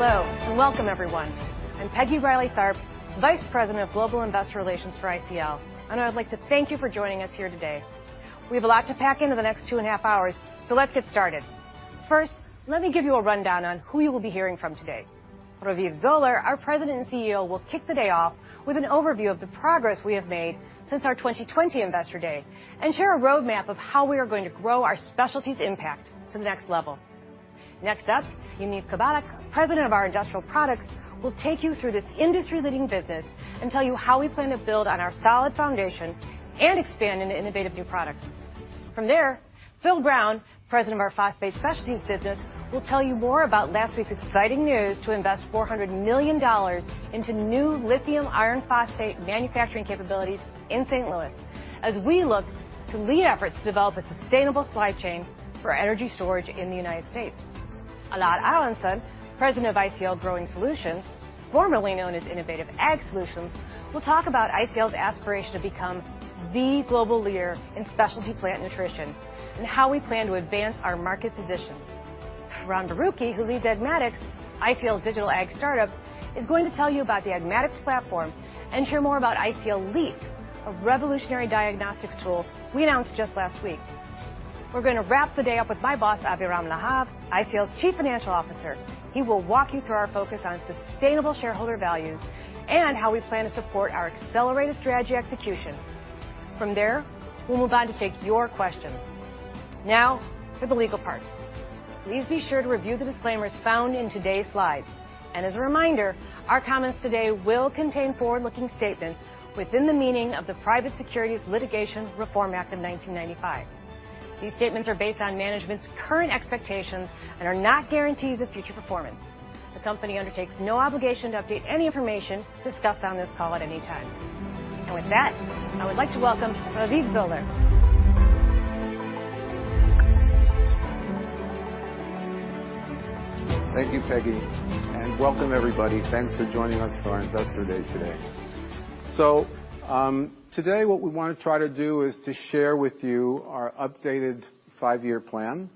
Hello, and welcome everyone. I'm Peggy Reilly Tharp, Vice President of Global Investor Relations for ICL, and I would like to thank you for joining us here today. We have a lot to pack into the next 2.5 hours, so let's get started. First, let me give you a rundown on who you will be hearing from today. Raviv Zoller, our President and CEO, will kick the day off with an overview of the progress we have made since our 2020 Investor Day and share a roadmap of how we are going to grow our specialties impact to the next level. Next up, Yaniv Kabalek, President of our Industrial Products, will take you through this industry-leading business and tell you how we plan to build on our solid foundation and expand into innovative new products. From there, Phil Brown, President of our Phosphate Specialties business, will tell you more about last week's exciting news to invest $400 million into new lithium iron phosphate manufacturing capabilities in St. Louis as we look to lead efforts to develop a sustainable supply chain for energy storage in the United States. Elad Aharonson, President of ICL Growing Solutions, formerly known as Innovative Ag Solutions, will talk about ICL's aspiration to become the global leader in specialty plant nutrition and how we plan to advance our market position. Ron Baruchi, who leads Agmatix, ICL's digital ag startup, is going to tell you about the Agmatix platform and hear more about ICLeaf, a revolutionary diagnostics tool we announced just last week. We're gonna wrap the day up with my boss, Aviram Lahav, ICL's Chief Financial Officer. He will walk you through our focus on sustainable shareholder values and how we plan to support our accelerated strategy execution. From there, we'll move on to take your questions. Now for the legal part. Please be sure to review the disclaimers found in today's slides. As a reminder, our comments today will contain forward-looking statements within the meaning of the Private Securities Litigation Reform Act of 1995. These statements are based on management's current expectations and are not guarantees of future performance. The company undertakes no obligation to update any information discussed on this call at any time. With that, I would like to welcome Raviv Zoller. Thank you, Peggy, and welcome everybody. Thanks for joining us for our Investor Day today. Today what we wanna try to do is to share with you our updated five year plan.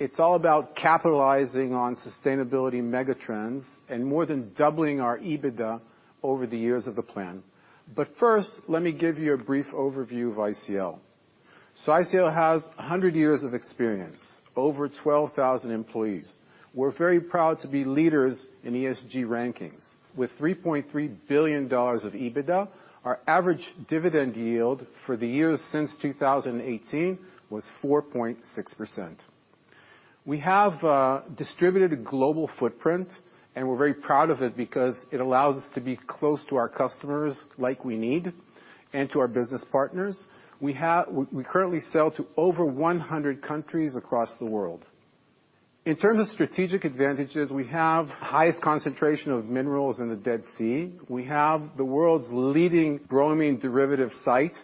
It's all about capitalizing on sustainability megatrends and more than doubling our EBITDA over the years of the plan. First, let me give you a brief overview of ICL. ICL has 100 years of experience, over 12,000 employees. We're very proud to be leaders in ESG rankings. With $3.3 billion of EBITDA, our average dividend yield for the years since 2018 was 4.6%. We have a diversified global footprint, and we're very proud of it because it allows us to be close to our customers as we need and to our business partners. We currently sell to over 100 countries across the world. In terms of strategic advantages, we have highest concentration of minerals in the Dead Sea. We have the world's leading bromine derivative site.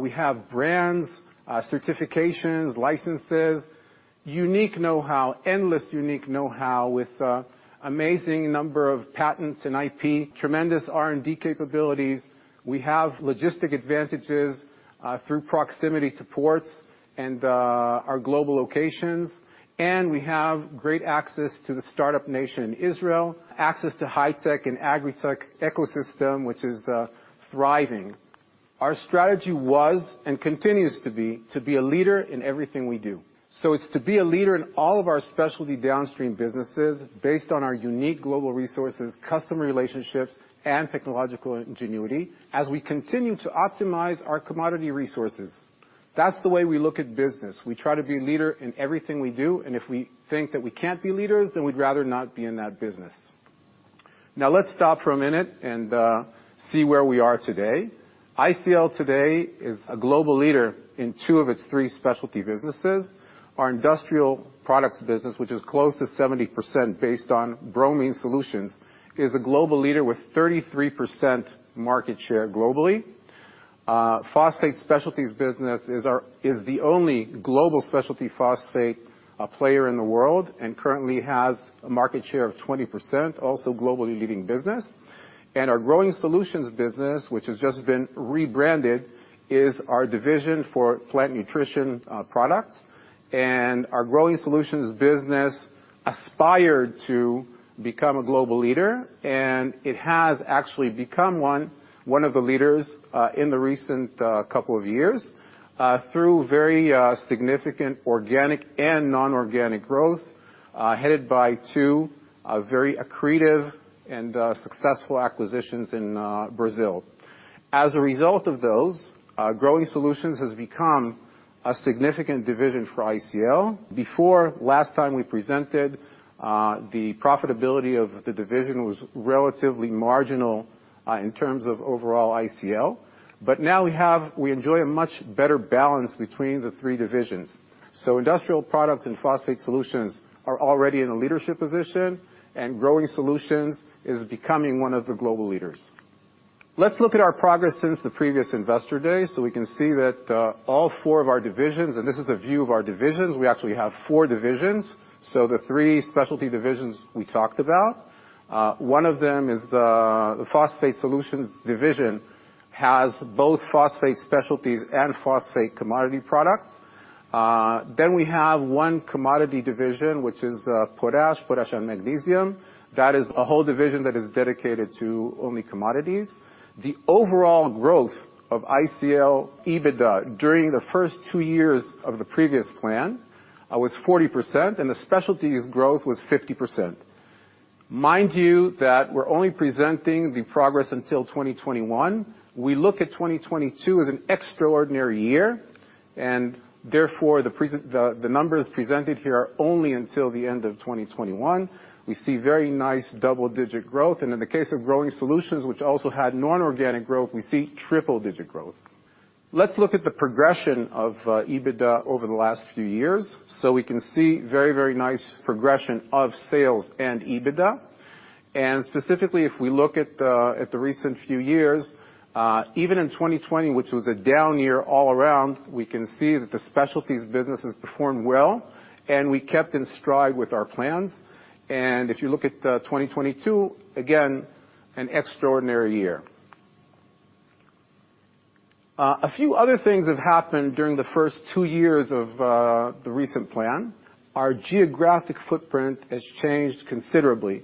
We have brands, certifications, licenses, unique know-how, endless unique know-how with amazing number of patents and IP, tremendous R&D capabilities. We have logistic advantages through proximity to ports and our global locations, and we have great access to the startup nation, Israel, access to high tech and agri tech ecosystem, which is thriving. Our strategy was and continues to be to be a leader in everything we do. It's to be a leader in all of our specialty downstream businesses based on our unique global resources, customer relationships, and technological ingenuity as we continue to optimize our commodity resources. That's the way we look at business. We try to be a leader in everything we do, and if we think that we can't be leaders, then we'd rather not be in that business. Now let's stop for a minute and see where we are today. ICL today is a global leader in two of its three specialty businesses. Our Industrial Products business, which is close to 70% based on bromine solutions, is a global leader with 33% market share globally. Phosphate Specialties business is the only global specialty phosphate player in the world and currently has a market share of 20%, also globally leading business. Our Growing Solutions business, which has just been rebranded, is our division for plant nutrition products. Our Growing Solutions business aspired to become a global leader, and it has actually become one of the leaders in the recent couple of years through very significant organic and non-organic growth headed by two very accretive and successful acquisitions in Brazil. As a result of those, Growing Solutions has become a significant division for ICL. Before last time we presented, the profitability of the division was relatively marginal in terms of overall ICL, but now we enjoy a much better balance between the three divisions. Industrial Products and Phosphate Solutions are already in a leadership position, and Growing Solutions is becoming one of the global leaders. Let's look at our progress since the previous Investor Day. We can see that all four of our divisions, and this is a view of our divisions. We actually have four divisions. The three specialty divisions we talked about. One of them is the Phosphate Solutions division. It has both Phosphate Specialties and phosphate commodity products. Then we have one commodity division, which is potash and magnesium. That is a whole division that is dedicated to only commodities. The overall growth of ICL EBITDA during the first two years of the previous plan was 40%, and the specialties growth was 50%. Mind you that we're only presenting the progress until 2021. We look at 2022 as an extraordinary year, and therefore, the numbers presented here are only until the end of 2021. We see very nice double-digit growth, and in the case of Growing Solutions, which also had non-organic growth, we see triple digit growth. Let's look at the progression of EBITDA over the last few years. We can see very, very nice progression of sales and EBITDA. Specifically, if we look at the recent few years, even in 2020, which was a down year all around, we can see that the specialties businesses performed well, and we kept in stride with our plans. If you look at 2022, again, an extraordinary year. A few other things have happened during the first two years of the recent plan. Our geographic footprint has changed considerably,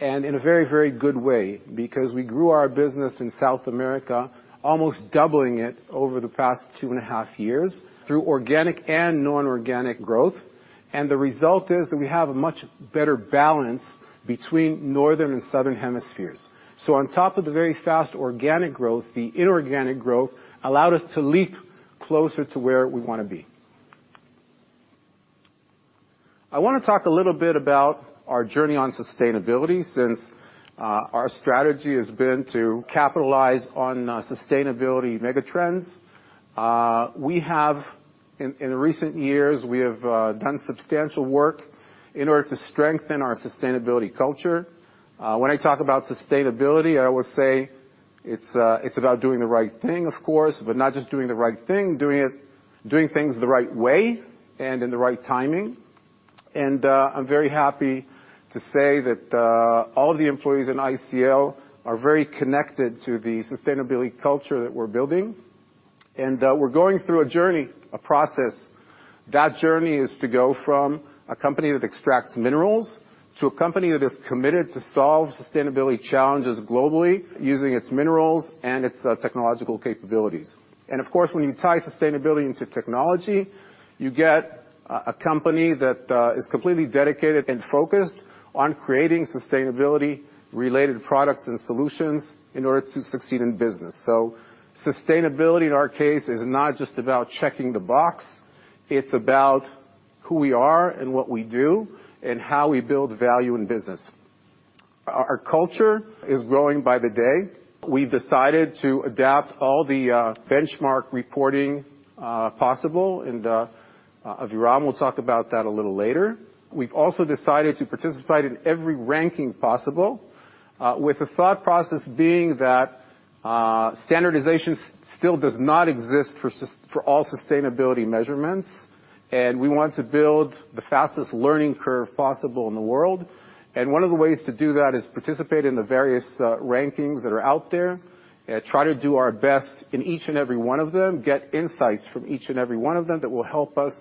and in a very, very good way because we grew our business in South America, almost doubling it over the past two and a half years through organic and non-organic growth. The result is that we have a much better balance between Northern and Southern hemispheres. On top of the very fast organic growth, the inorganic growth allowed us to leap closer to where we wanna be. I wanna talk a little bit about our journey on sustainability since our strategy has been to capitalize on sustainability mega trends. In recent years, we have done substantial work in order to strengthen our sustainability culture. When I talk about sustainability, I always say it's about doing the right thing, of course, but not just doing the right thing, doing things the right way and in the right timing. I'm very happy to say that all the employees in ICL are very connected to the sustainability culture that we're building. We're going through a journey, a process. That journey is to go from a company that extracts minerals to a company that is committed to solve sustainability challenges globally using its minerals and its technological capabilities. Of course, when you tie sustainability into technology, you get a company that is completely dedicated and focused on creating sustainability-related products and solutions in order to succeed in business. Sustainability, in our case, is not just about checking the box. It's about who we are and what we do and how we build value in business. Our culture is growing by the day. We've decided to adopt all the benchmark reporting possible, and Aviram will talk about that a little later. We've also decided to participate in every ranking possible, with the thought process being that standardization still does not exist for all sustainability measurements, and we want to build the fastest learning curve possible in the world. One of the ways to do that is participate in the various rankings that are out there, try to do our best in each and every one of them, get insights from each and every one of them that will help us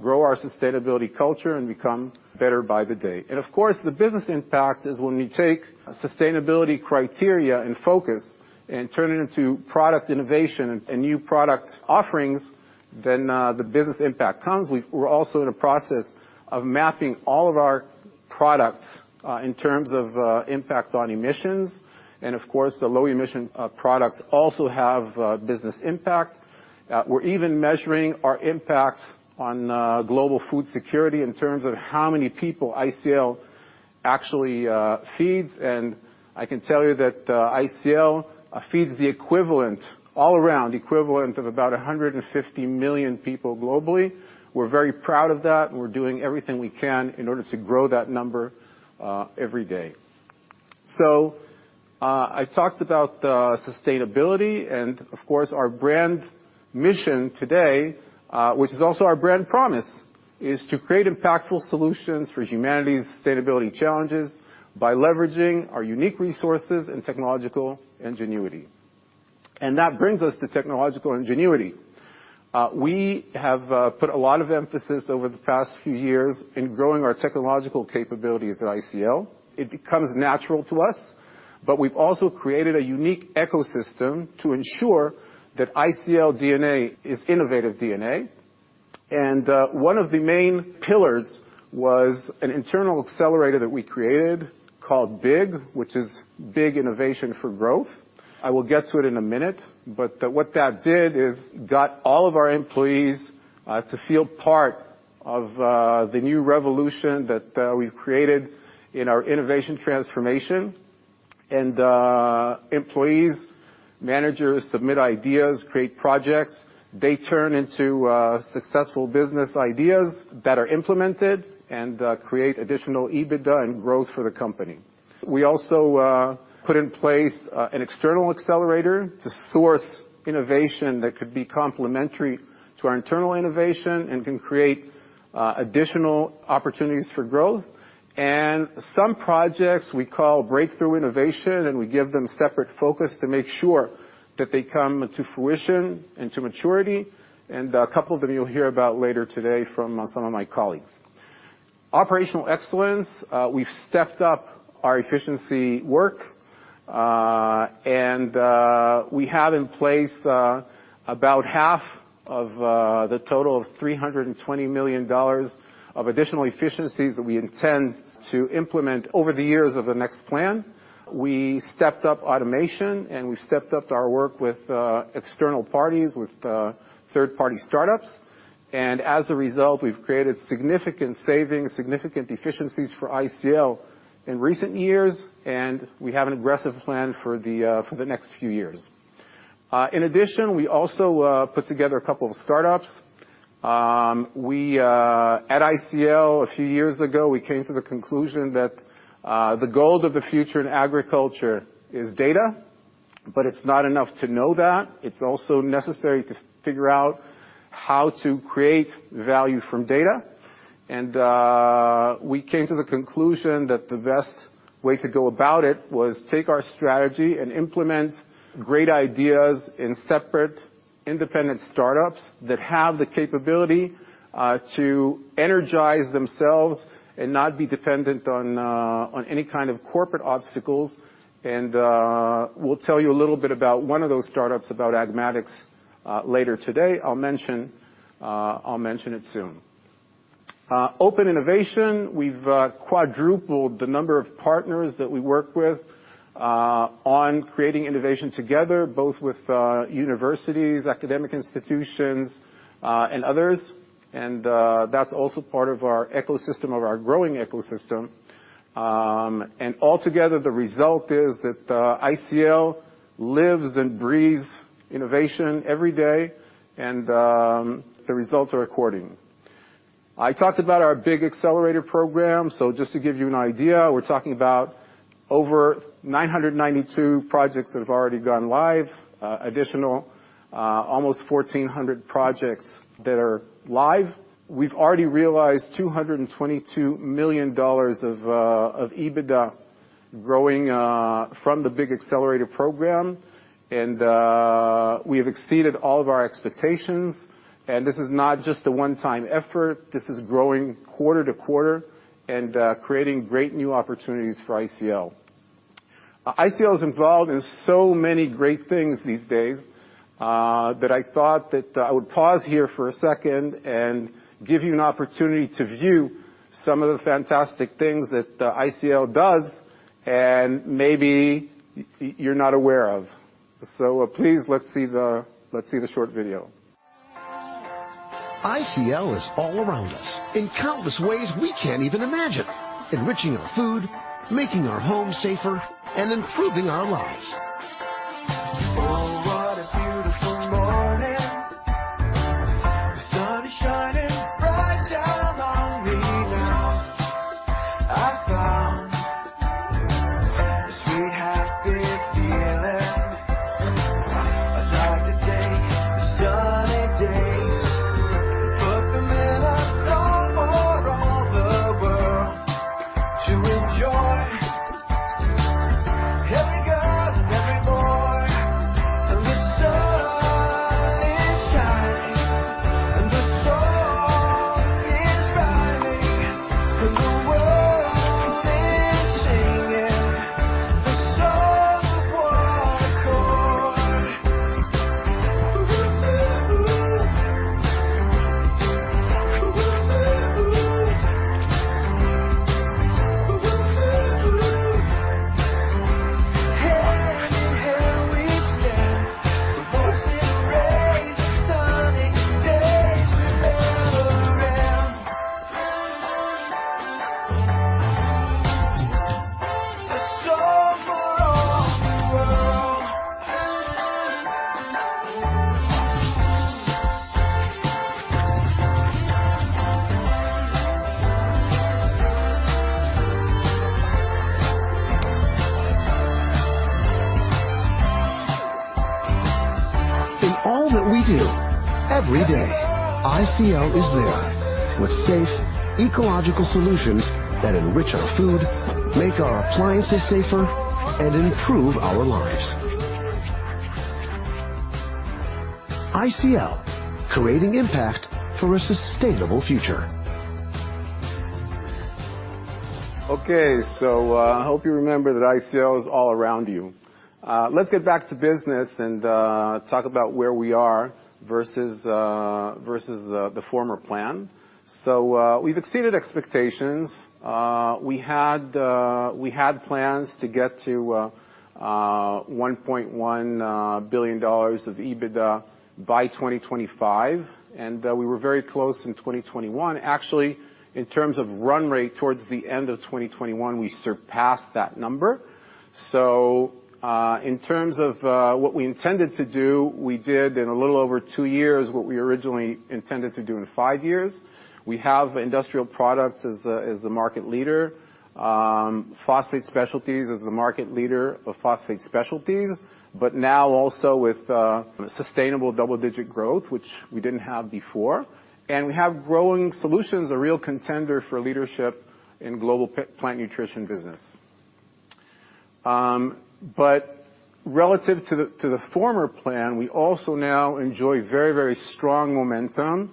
grow our sustainability culture and become better by the day. Of course, the business impact is when we take a sustainability criteria and focus and turn it into product innovation and new product offerings, then the business impact comes. We're also in the process of mapping all of our products in terms of impact on emissions. Of course, the low emission products also have business impact. We're even measuring our impact on global food security in terms of how many people ICL actually feeds. I can tell you that ICL feeds the equivalent, all around equivalent of about 150 million people globally. We're very proud of that, and we're doing everything we can in order to grow that number every day. I talked about sustainability and of course, our brand mission today, which is also our brand promise, is to create impactful solutions for humanity's sustainability challenges by leveraging our unique resources and technological ingenuity. That brings us to technological ingenuity. We have put a lot of emphasis over the past few years in growing our technological capabilities at ICL. It becomes natural to us, but we've also created a unique ecosystem to ensure that ICL DNA is innovative DNA. One of the main pillars was an internal accelerator that we created called BIG, which is Big Innovation for Growth. I will get to it in a minute, but what that did is got all of our employees to feel part of the new revolution that we've created in our innovation transformation. Employees, managers submit ideas, create projects. They turn into successful business ideas that are implemented and create additional EBITDA and growth for the company. We also put in place an external accelerator to source innovation that could be complementary to our internal innovation and can create additional opportunities for growth. Some projects we call breakthrough innovation, and we give them separate focus to make sure that they come to fruition and to maturity. A couple of them you'll hear about later today from some of my colleagues. Operational excellence, we've stepped up our efficiency work. We have in place about half of the total of $320 million of additional efficiencies that we intend to implement over the years of the next plan. We stepped up automation, and we've stepped up our work with external parties, with third-party startups. As a result, we've created significant savings, significant efficiencies for ICL in recent years, and we have an aggressive plan for the next few years. In addition, we also put together a couple of startups. At ICL a few years ago, we came to the conclusion that the gold of the future in agriculture is data. It's not enough to know that. It's also necessary to figure out how to create value from data. We came to the conclusion that the best way to go about it was take our strategy and implement great ideas in separate independent startups that have the capability to energize themselves and not be dependent on on any kind of corporate obstacles. We'll tell you a little bit about one of those startups, about Agmatix, later today. I'll mention it soon. Open innovation. We've quadrupled the number of partners that we work with on creating innovation together, both with universities, academic institutions and others. That's also part of our ecosystem, of our growing ecosystem. Altogether, the result is that ICL lives and breathes innovation every day, and the results are according. I talked about our big accelerator program. Just to give you an idea, we're talking about over 992 projects that have already gone live, additional almost 1,400 projects that are live. We've already realized $222 million of EBITDA growing from the big accelerator program. We have exceeded all of our expectations. This is not just a one-time effort. This is growing quarter to quarter and creating great new opportunities for ICL. ICL is involved in so many great things these days that I thought that I would pause here for a second and give you an opportunity to view some of the fantastic things that ICL does and maybe you're not aware of. Please, let's see the short video. ICL is all around us in countless ways we can't even imagine. Enriching our food, making our homes safer, and improving our lives. Oh, what a beautiful morning. The sun is shining bright down on me now. I found a sweet happy feeling. I'd like to take the sunny days and put them in a song for all the world to enjoy. Every girl and every boy. The sun is shining, and the song is rising. The world is singing a song of one accord. Ooh, ooh, ooh. Ooh, ooh, ooh. Ooh, ooh, ooh. Hand in hand we stand, with voices raised. Sunny days will never end. A song for all the world. In all that we do, every day, ICL is there with safe, ecological solutions that enrich our food, make our appliances safer, and improve our lives. ICL, creating impact for a sustainable future. Okay, I hope you remember that ICL is all around you. Let's get back to business and talk about where we are versus the former plan. We've exceeded expectations. We had plans to get to $1.1 billion of EBITDA by 2025, and we were very close in 2021. Actually, in terms of run rate towards the end of 2021, we surpassed that number. In terms of what we intended to do, we did in a little over two years what we originally intended to do in five years. We have Industrial Products as the market leader. Phosphate Specialties is the market leader of Phosphate Specialties, but now also with sustainable double-digit growth, which we didn't have before. We have Growing Solutions, a real contender for leadership in global plant nutrition business. But relative to the former plan, we also now enjoy very, very strong momentum,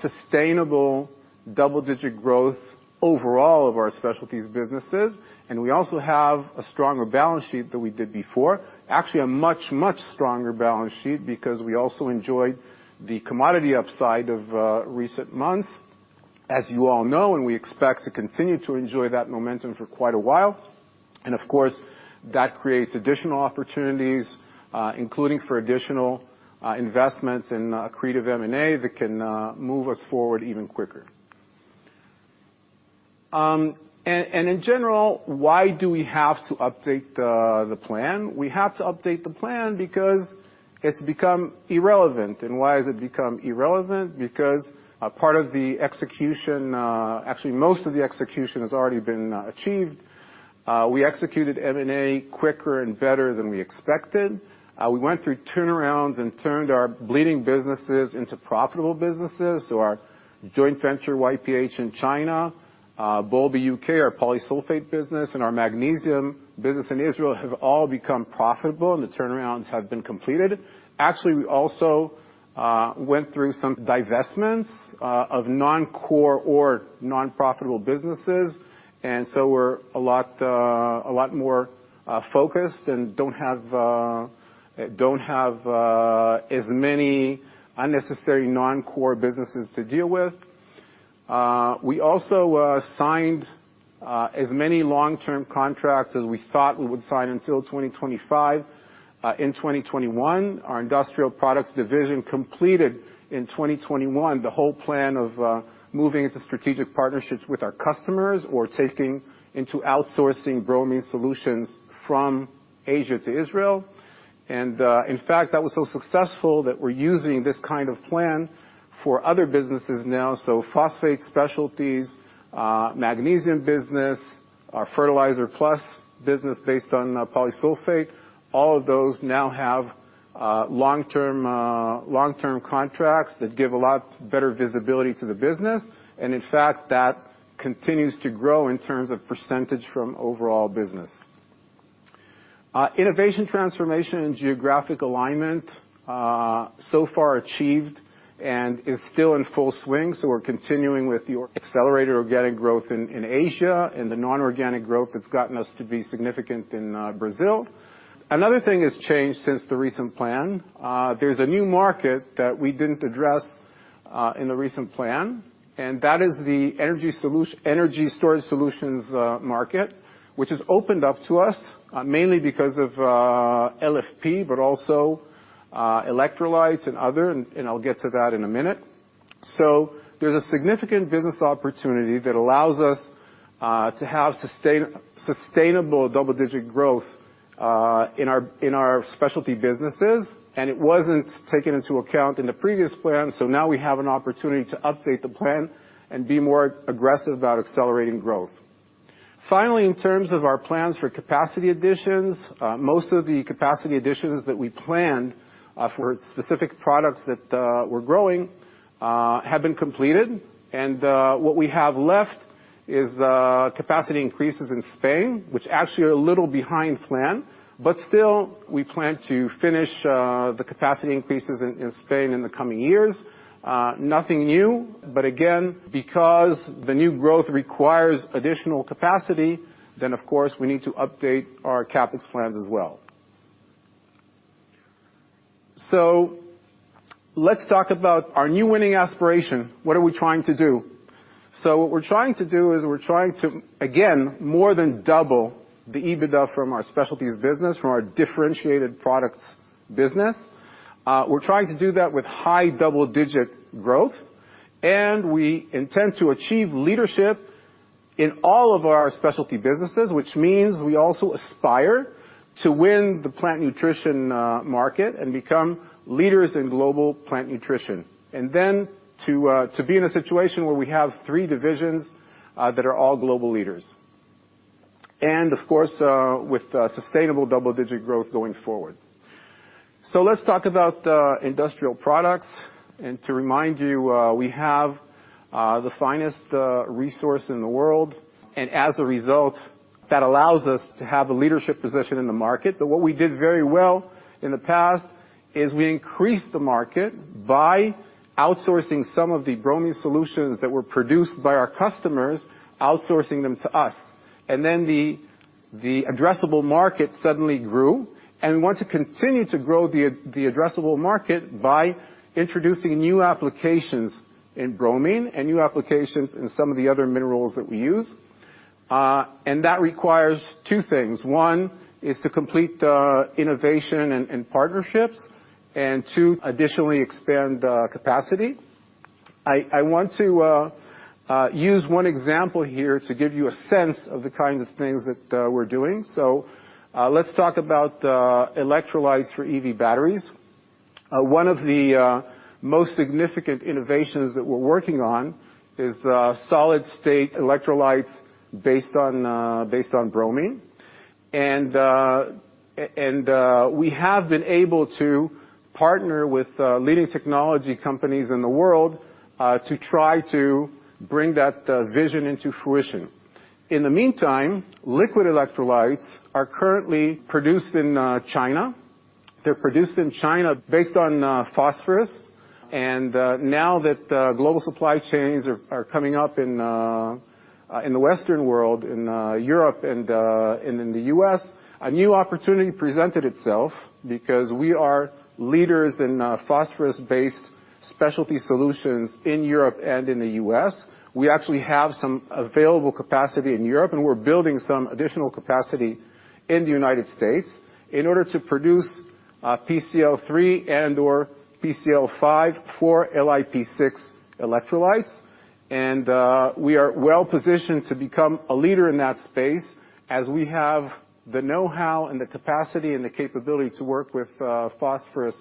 sustainable double-digit growth overall of our specialties businesses, and we also have a stronger balance sheet than we did before. Actually, a much, much stronger balance sheet because we also enjoyed the commodity upside of recent months, as you all know, and we expect to continue to enjoy that momentum for quite a while. Of course, that creates additional opportunities, including for additional investments in creative M&A that can move us forward even quicker. In general, why do we have to update the plan? We have to update the plan because it's become irrelevant. Why has it become irrelevant? Because a part of the execution, actually most of the execution has already been achieved. We executed M&A quicker and better than we expected. We went through turnarounds and turned our bleeding businesses into profitable businesses. Our joint venture, YPH in China, Boulby U.K., our Polysulphate business, and our magnesium business in Israel have all become profitable, and the turnarounds have been completed. Actually, we also went through some divestments of non-core or non-profitable businesses, and so we're a lot more focused and don't have as many unnecessary non-core businesses to deal with. We also signed as many long-term contracts as we thought we would sign until 2025. In 2021, our Industrial Products division completed the whole plan of moving into strategic partnerships with our customers or taking into outsourcing bromine solutions from Asia to Israel. In fact, that was so successful that we're using this kind of plan for other businesses now. Phosphate Specialties, magnesium business, our FertilizerpluS business based on Polysulphate, all of those now have long-term contracts that give a lot better visibility to the business. In fact, that continues to grow in terms of percentage from overall business. Innovation transformation and geographic alignment so far achieved and is still in full swing. We're continuing with the accelerating organic growth in Asia and the non-organic growth that's gotten us to be significant in Brazil. Another thing has changed since the recent plan. There's a new market that we didn't address in the recent plan, and that is the energy storage solutions market, which has opened up to us mainly because of LFP, but also electrolytes and other, and I'll get to that in a minute. There's a significant business opportunity that allows us to have sustainable double-digit growth in our specialty businesses, and it wasn't taken into account in the previous plan. Now we have an opportunity to update the plan and be more aggressive about accelerating growth. Finally, in terms of our plans for capacity additions, most of the capacity additions that we planned for specific products that we're growing have been completed. What we have left is capacity increases in Spain, which actually are a little behind plan. Still, we plan to finish the capacity increases in Spain in the coming years. Nothing new, again, because the new growth requires additional capacity, then of course, we need to update our CapEx plans as well. Let's talk about our new winning aspiration. What are we trying to do? What we're trying to do is we're trying to again, more than double the EBITDA from our specialties business, from our differentiated products business. We're trying to do that with high double-digit growth, and we intend to achieve leadership in all of our specialty businesses, which means we also aspire to win the plant nutrition market and become leaders in global plant nutrition. To be in a situation where we have three divisions that are all global leaders. Of course, with sustainable double-digit growth going forward. Let's talk about Industrial Products. To remind you, we have the finest resource in the world. As a result, that allows us to have a leadership position in the market. What we did very well in the past is we increased the market by outsourcing some of the bromine solutions that were produced by our customers, outsourcing them to us. Then the addressable market suddenly grew, and we want to continue to grow the addressable market by introducing new applications in bromine and new applications in some of the other minerals that we use. That requires two things. One is to complete innovation and partnerships, and two, additionally expand capacity. I want to use one example here to give you a sense of the kinds of things that we're doing. Let's talk about electrolytes for EV batteries. One of the most significant innovations that we're working on is solid-state electrolytes based on bromine. We have been able to partner with leading technology companies in the world to try to bring that vision into fruition. In the meantime, liquid electrolytes are currently produced in China. They're produced in China based on phosphorus. Now that global supply chains are coming up in the Western world, in Europe and in the U.S., a new opportunity presented itself because we are leaders in phosphorus-based specialty solutions in Europe and in the U.S. We actually have some available capacity in Europe, and we're building some additional capacity in the United States in order to produce PCl3 and/or PCl5 for LiPF6 electrolytes. We are well-positioned to become a leader in that space as we have the know-how and the capacity and the capability to work with phosphorus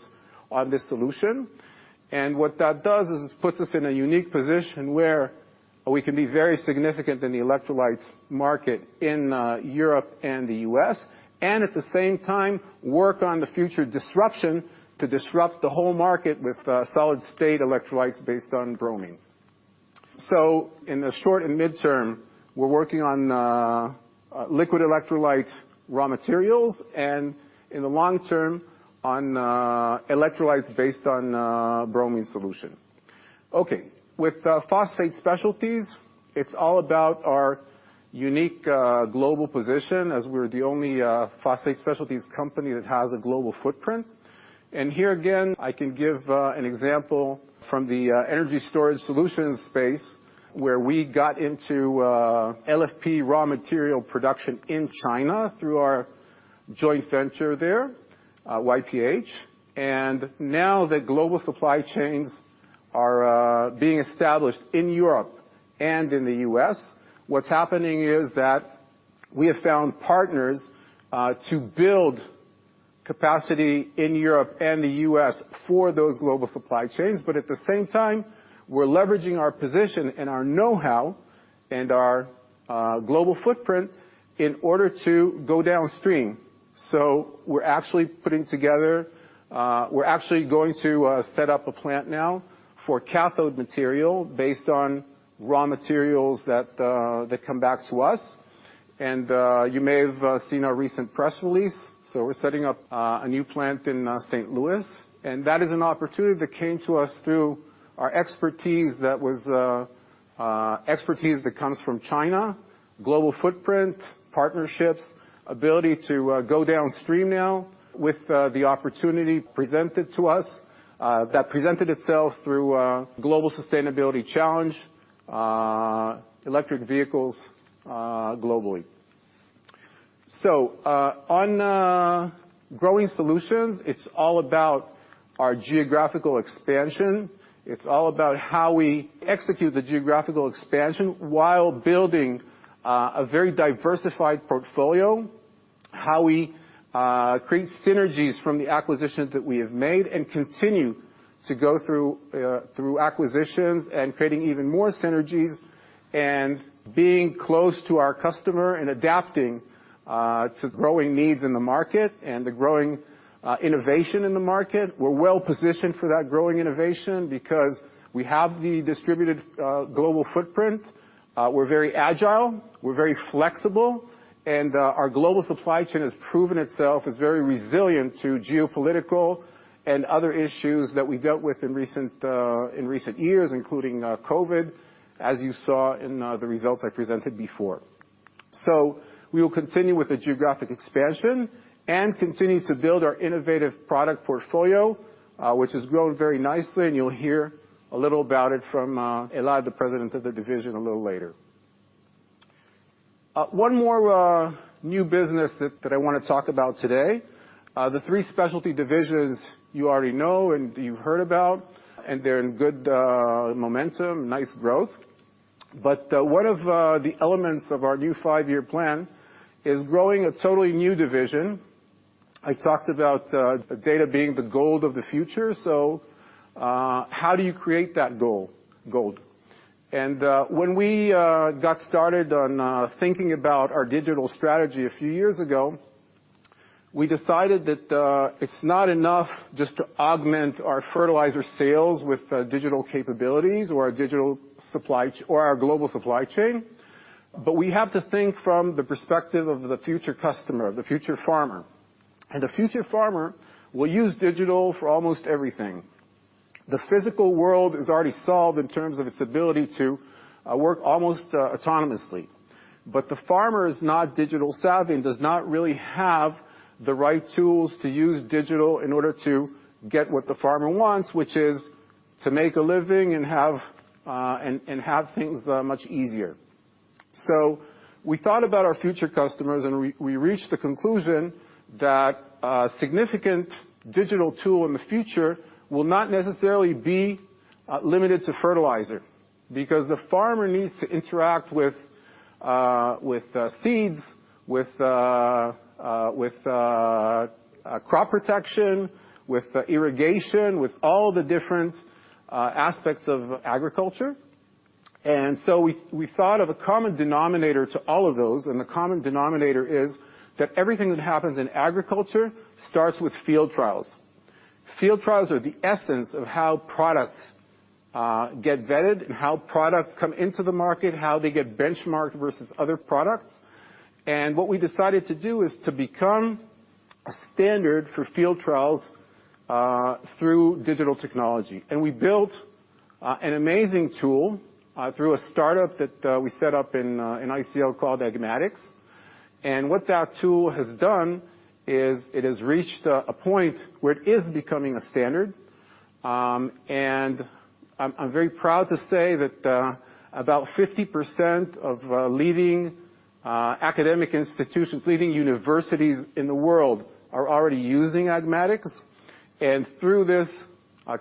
on this solution. What that does is it puts us in a unique position where we can be very significant in the electrolytes market in Europe and the U.S. At the same time, work on the future disruption to disrupt the whole market with solid-state electrolytes based on bromine. In the short and mid-term, we're working on liquid electrolyte raw materials, and in the long term, on electrolytes based on bromine solution. Okay. With Phosphate Specialties, it's all about our unique global position as we're the only Phosphate Specialties company that has a global footprint. Here again, I can give an example from the energy storage solutions space, where we got into LFP raw material production in China through our joint venture there, YPH. Now that global supply chains are being established in Europe and in the U.S., what's happening is that we have found partners to build capacity in Europe and the U.S. for those global supply chains. At the same time, we're leveraging our position and our know-how and our global footprint in order to go downstream. We're actually going to set up a plant now for cathode material based on raw materials that come back to us. You may have seen our recent press release. We're setting up a new plant in St. Louis, and that is an opportunity that came to us through our expertise that comes from China, global footprint, partnerships, ability to go downstream now with the opportunity presented to us that presented itself through global sustainability challenge, electric vehicles globally. On Growing Solutions, it's all about our geographical expansion. It's all about how we execute the geographical expansion while building a very diversified portfolio, how we create synergies from the acquisitions that we have made, and continue to go through acquisitions and creating even more synergies, and being close to our customer and adapting to growing needs in the market and the growing innovation in the market. We're well-positioned for that growing innovation because we have the distributed global footprint. We're very agile, we're very flexible, and our global supply chain has proven itself as very resilient to geopolitical and other issues that we dealt with in recent years, including COVID, as you saw in the results I presented before. We will continue with the geographic expansion and continue to build our innovative product portfolio, which has grown very nicely, and you'll hear a little about it from Elad, the President of the division, a little later. One more new business that I wanna talk about today. The three specialty divisions you already know and you heard about, and they're in good momentum, nice growth. One of the elements of our new five-year plan is growing a totally new division. I talked about data being the gold of the future. How do you create that gold? When we got started on thinking about our digital strategy a few years ago, we decided that it's not enough just to augment our fertilizer sales with digital capabilities or our global supply chain, but we have to think from the perspective of the future customer, the future farmer. The future farmer will use digital for almost everything. The physical world is already solved in terms of its ability to work almost autonomously. The farmer is not digital-savvy and does not really have the right tools to use digital in order to get what the farmer wants, which is to make a living and have things much easier. We thought about our future customers, and we reached the conclusion that a significant digital tool in the future will not necessarily be limited to fertilizer because the farmer needs to interact with seeds, with crop protection, with the irrigation, with all the different aspects of agriculture. We thought of a common denominator to all of those, and the common denominator is that everything that happens in agriculture starts with field trials. Field trials are the essence of how products get vetted and how products come into the market, how they get benchmarked versus other products. What we decided to do is to become a standard for field trials through digital technology. We built an amazing tool through a startup that we set up in ICL called Agmatix. What that tool has done is it has reached a point where it is becoming a standard. I'm very proud to say that about 50% of leading academic institutions, leading universities in the world are already using Agmatix. Through this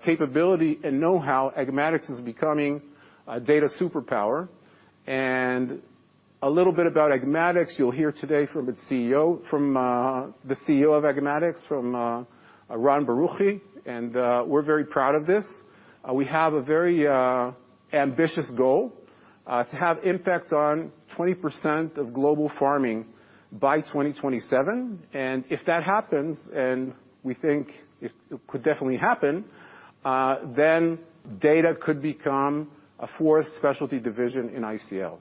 capability and know-how, Agmatix is becoming a data superpower. A little bit about Agmatix, you'll hear today from its CEO, Ron Baruchi, and we're very proud of this. We have a very ambitious goal to have impact on 20% of global farming by 2027. If that happens, and we think it could definitely happen, then data could become a fourth specialty division in ICL.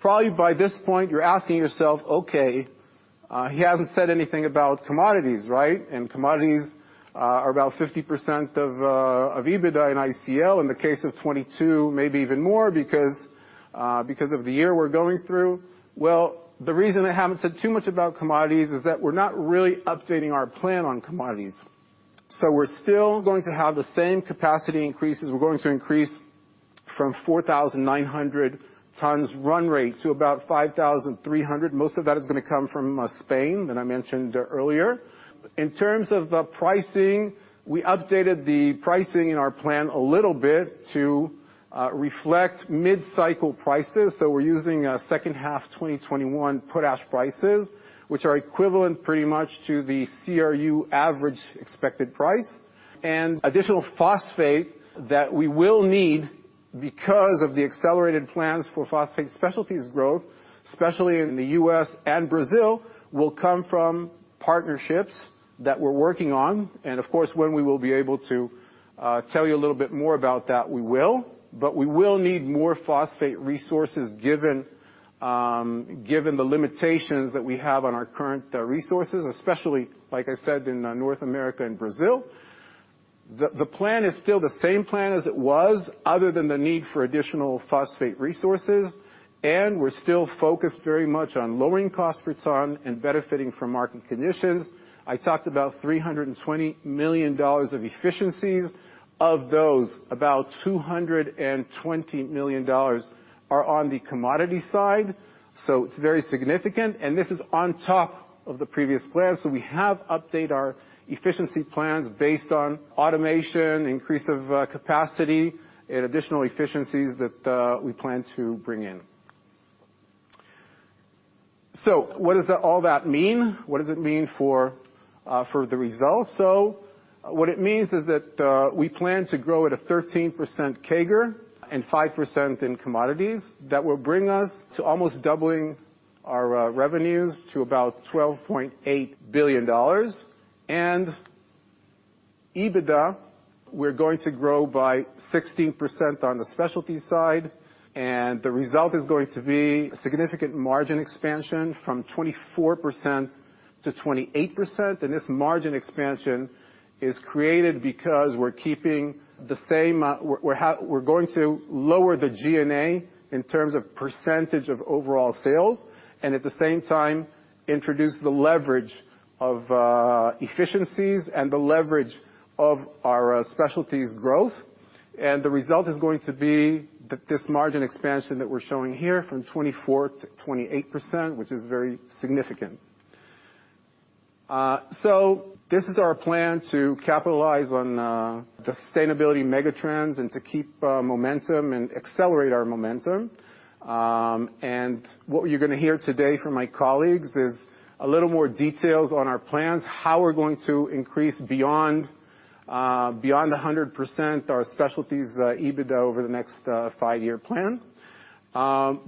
Probably by this point you're asking yourself, okay, he hasn't said anything about commodities, right? Commodities are about 50% of EBITDA in ICL. In the case of 2022, maybe even more because of the year we're going through. Well, the reason I haven't said too much about commodities is that we're not really updating our plan on commodities. We're still going to have the same capacity increases. We're going to increase from 4,900 tons run rate to about 5,300. Most of that is gonna come from Spain, that I mentioned earlier. In terms of pricing, we updated the pricing in our plan a little bit to reflect mid-cycle prices, so we're using second half 2021 Potash prices, which are equivalent pretty much to the CRU average expected price. Additional phosphate that we will need because of the accelerated plans for Phosphate Specialties growth, especially in the U.S. and Brazil, will come from partnerships that we're working on. Of course, when we will be able to tell you a little bit more about that, we will. We will need more phosphate resources given the limitations that we have on our current resources, especially, like I said, in North America and Brazil. The plan is still the same plan as it was other than the need for additional phosphate resources, and we're still focused very much on lowering cost per ton and benefiting from market conditions. I talked about $320 million of efficiencies. Of those, about $220 million are on the commodity side, so it's very significant. This is on top of the previous plan. We have updated our efficiency plans based on automation, increase of capacity and additional efficiencies that we plan to bring in. What does all that mean? What does it mean for the results? What it means is that we plan to grow at a 13% CAGR and 5% in commodities. That will bring us to almost doubling our revenues to about $12.8 billion. EBITDA, we're going to grow by 16% on the specialties side, and the result is going to be significant margin expansion from 24% to 28%. This margin expansion is created because we're keeping the same, we're going to lower the G&A in terms of percentage of overall sales, and at the same time introduce the leverage of efficiencies and the leverage of our specialties growth. The result is going to be this margin expansion that we're showing here from 24%-28%, which is very significant. This is our plan to capitalize on the sustainability mega trends and to keep momentum and accelerate our momentum. What you're gonna hear today from my colleagues is a little more details on our plans, how we're going to increase beyond 100% our specialties EBITDA over the next five-year plan. All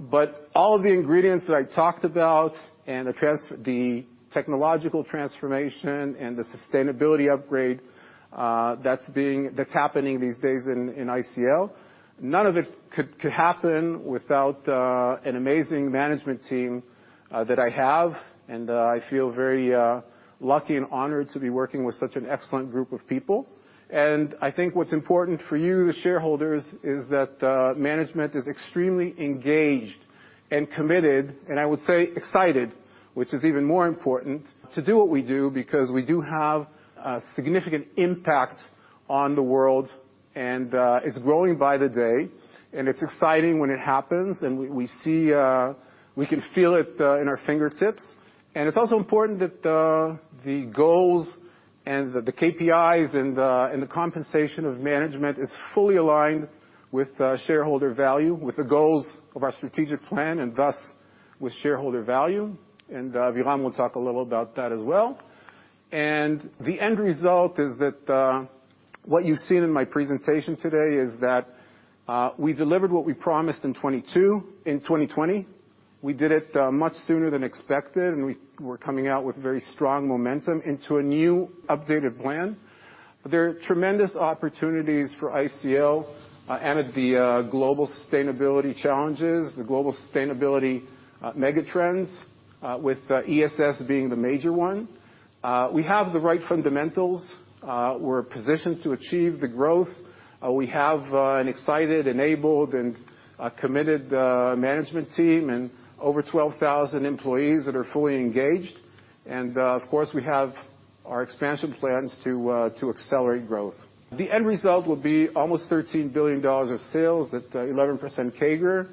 of the ingredients that I talked about and the technological transformation and the sustainability upgrade, that's happening these days in ICL, none of it could happen without an amazing management team that I have. I feel very lucky and honored to be working with such an excellent group of people. I think what's important for you, the shareholders, is that management is extremely engaged and committed, and I would say excited, which is even more important, to do what we do because we do have a significant impact on the world, and it's growing by the day, and it's exciting when it happens. We see we can feel it in our fingertips. It's also important that the goals and the KPIs and the compensation of management is fully aligned with shareholder value, with the goals of our strategic plan, and thus with shareholder value. Aviram will talk a little about that as well. The end result is that what you've seen in my presentation today is that we delivered what we promised in 2022, in 2020. We did it much sooner than expected, and we're coming out with very strong momentum into a new updated plan. There are tremendous opportunities for ICL and at the global sustainability challenges, the global sustainability mega trends with ESS being the major one. We have the right fundamentals. We're positioned to achieve the growth. We have an excited, enabled, and committed management team and over 12,000 employees that are fully engaged. Of course, we have our expansion plans to accelerate growth. The end result will be almost $13 billion of sales at 11% CAGR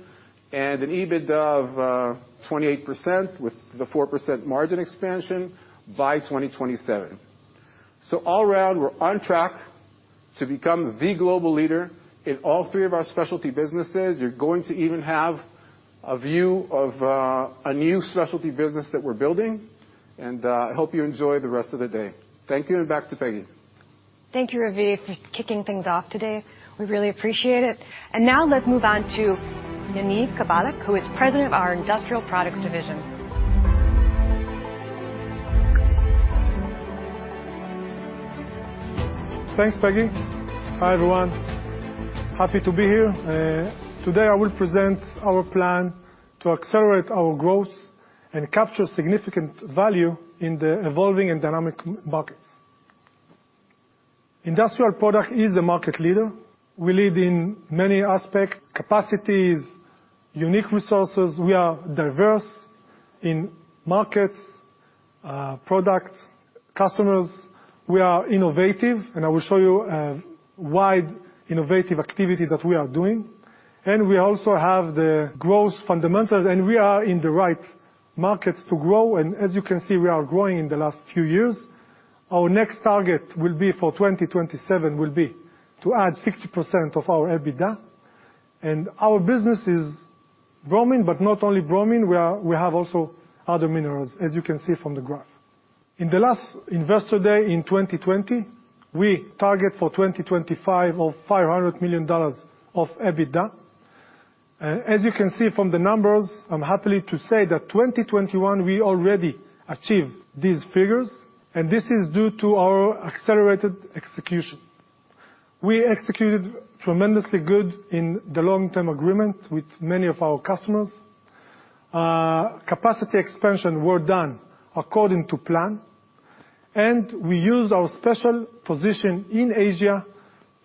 and an EBITDA of 28% with 4% margin expansion by 2027. All around, we're on track to become the global leader in all three of our specialty businesses. You're going to even have a view of a new specialty business that we're building, and I hope you enjoy the rest of the day. Thank you, and back to Peggy. Thank you, Raviv, for kicking things off today. We really appreciate it. Now let's move on to Yaniv Kabalek, who is President of our Industrial Products Division. Thanks, Peggy. Hi, everyone. Happy to be here. Today, I will present our plan to accelerate our growth and capture significant value in the evolving and dynamic markets. Industrial Products is the market leader. We lead in many aspects, capacities, unique resources. We are diverse in markets, products, customers. We are innovative, and I will show you wide innovative activity that we are doing. We also have the growth fundamentals, and we are in the right markets to grow. As you can see, we are growing in the last few years. Our next target will be for 2027, will be to add 60% of our EBITDA. Our business is bromine, but not only bromine, we have also other minerals, as you can see from the graph. In the last Investor Day in 2020, we target for 2025 of $500 million of EBITDA. As you can see from the numbers, I'm happy to say that 2021 we already achieved these figures, and this is due to our accelerated execution. We executed tremendously good in the long-term agreement with many of our customers. Capacity expansion were done according to plan, and we used our special position in Asia,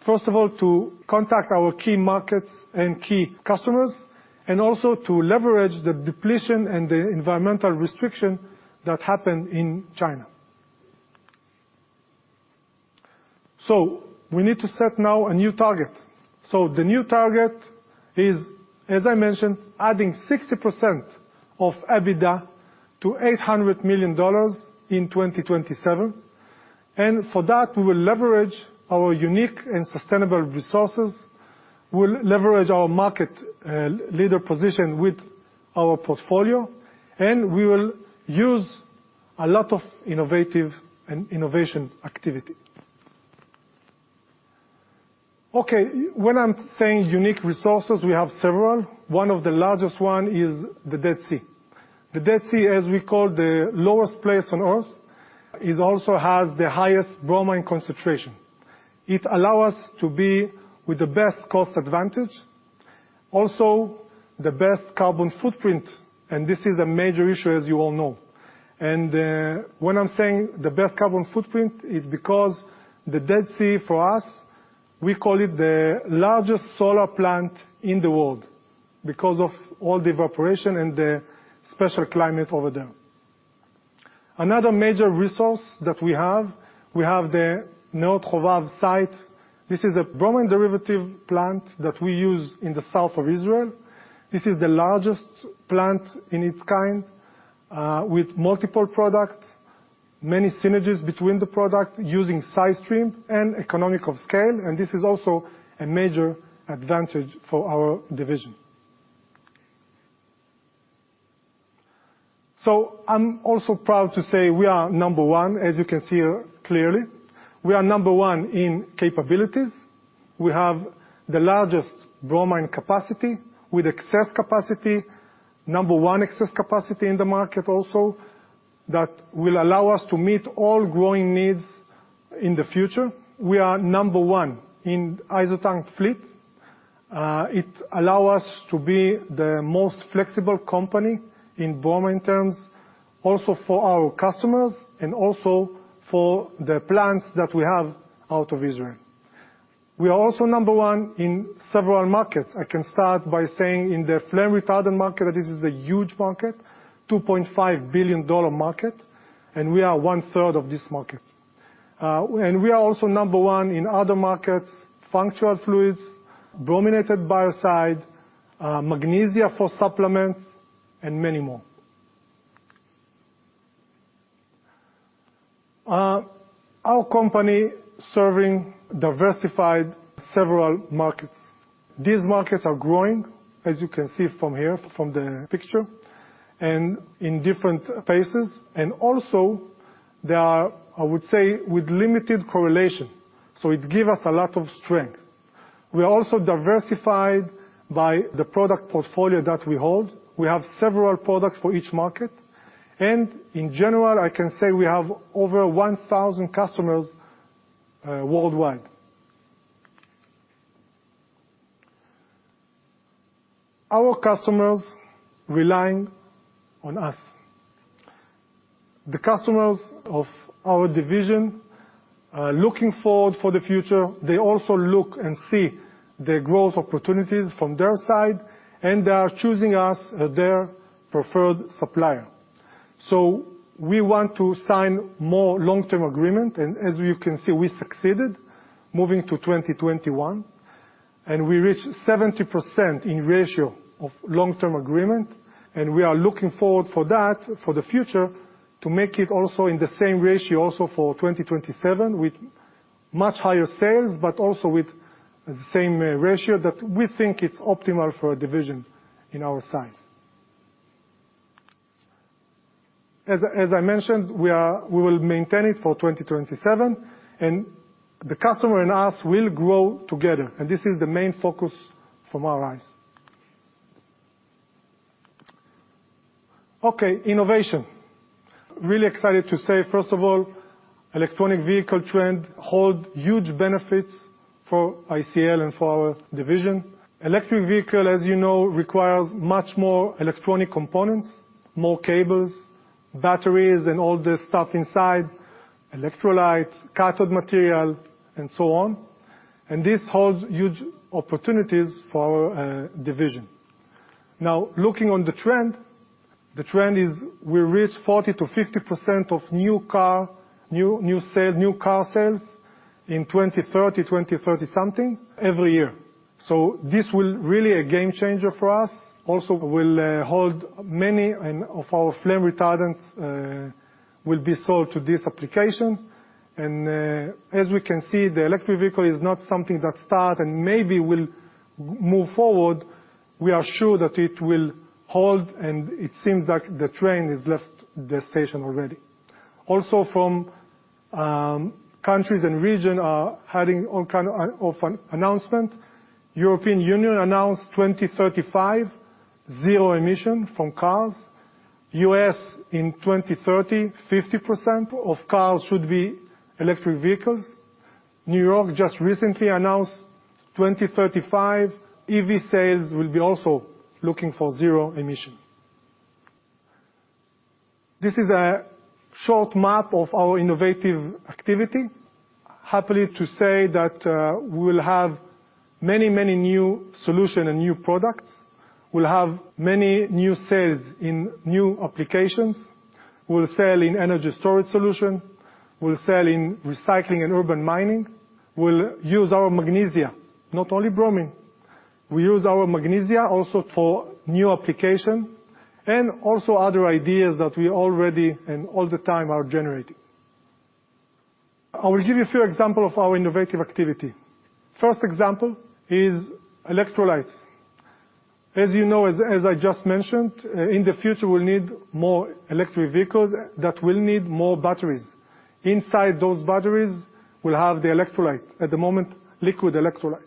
first of all, to contact our key markets and key customers, and also to leverage the depletion and the environmental restriction that happened in China. We need to set now a new target. The new target is, as I mentioned, adding 60% of EBITDA to $800 million in 2027. For that, we will leverage our unique and sustainable resources. We'll leverage our market leader position with our portfolio, and we will use a lot of innovative and innovation activity. Okay. When I'm saying unique resources, we have several. One of the largest one is the Dead Sea. The Dead Sea, as we call the lowest place on Earth, it also has the highest bromine concentration. It allow us to be with the best cost advantage, also the best carbon footprint, and this is a major issue, as you all know. When I'm saying the best carbon footprint, it's because the Dead Sea, for us, we call it the largest solar plant in the world because of all the evaporation and the special climate over there. Another major resource that we have, we have the Neot Hovav site. This is a bromine derivative plant that we use in the south of Israel. This is the largest plant in its kind, with multiple products, many synergies between the products using side stream and economies of scale, and this is also a major advantage for our division. I'm also proud to say we are number one, as you can see clearly. We are number one in capabilities. We have the largest bromine capacity with excess capacity. Number one excess capacity in the market also that will allow us to meet all growing needs in the future. We are number one in ISO tank fleet. It allow us to be the most flexible company in bromine terms, also for our customers and also for the plants that we have out of Israel. We are also number one in several markets. I can start by saying in the flame retardant market, this is a huge market, $2.5 billion market, and we are one third of this market. We are also number one in other markets, functional fluids, brominated biocide, magnesia for supplements, and many more. Our company serving diversified several markets. These markets are growing, as you can see from here, from the picture, and in different places, and also they are, I would say, with limited correlation. It give us a lot of strength. We are also diversified by the product portfolio that we hold. We have several products for each market. In general, I can say we have over 1,000 customers worldwide. Our customers relying on us. The customers of our division are looking forward for the future. They also look and see the growth opportunities from their side, and they are choosing us as their preferred supplier. We want to sign more long-term agreement, and as you can see, we succeeded moving to 2021, and we reached 70% in ratio of long-term agreement. We are looking forward for that for the future to make it also in the same ratio also for 2027, with much higher sales, but also with the same, ratio that we think is optimal for a division in our size. As I mentioned, we will maintain it for 2027, and the customer and us will grow together, and this is the main focus from our eyes. Okay, innovation. Really excited to say, first of all, electric vehicle trend hold huge benefits for ICL and for our division. Electric vehicle, as you know, requires much more electronic components, more cables, batteries, and all the stuff inside, electrolytes, cathode material, and so on. This holds huge opportunities for division. Now, looking on the trend, the trend is we reach 40% to 50% of new car sales in 2030 something every year. This will really a game changer for us. Also will hold many of our flame retardants will be sold to this application. As we can see, the electric vehicle is not something that start and maybe will move forward. We are sure that it will hold, and it seems like the train has left the station already. Also from countries and region are having all kind of an announcement. European Union announced 2035, zero-emission from cars. U.S. in 2030, 50% of cars should be electric vehicles. New York just recently announced 2035, EV sales will be also looking for zero emission. This is a short map of our innovative activity. Happy to say that, we will have many, many new solution and new products. We'll have many new sales in new applications. We'll sell in energy storage solution. We'll use our magnesia, not only bromine. We use our magnesia also for new application and also other ideas that we already and all the time are generating. I will give you a few example of our innovative activity. First example is electrolytes. As you know, as I just mentioned, in the future, we'll need more electric vehicles that will need more batteries. Inside those batteries, we'll have the electrolyte, at the moment, liquid electrolyte.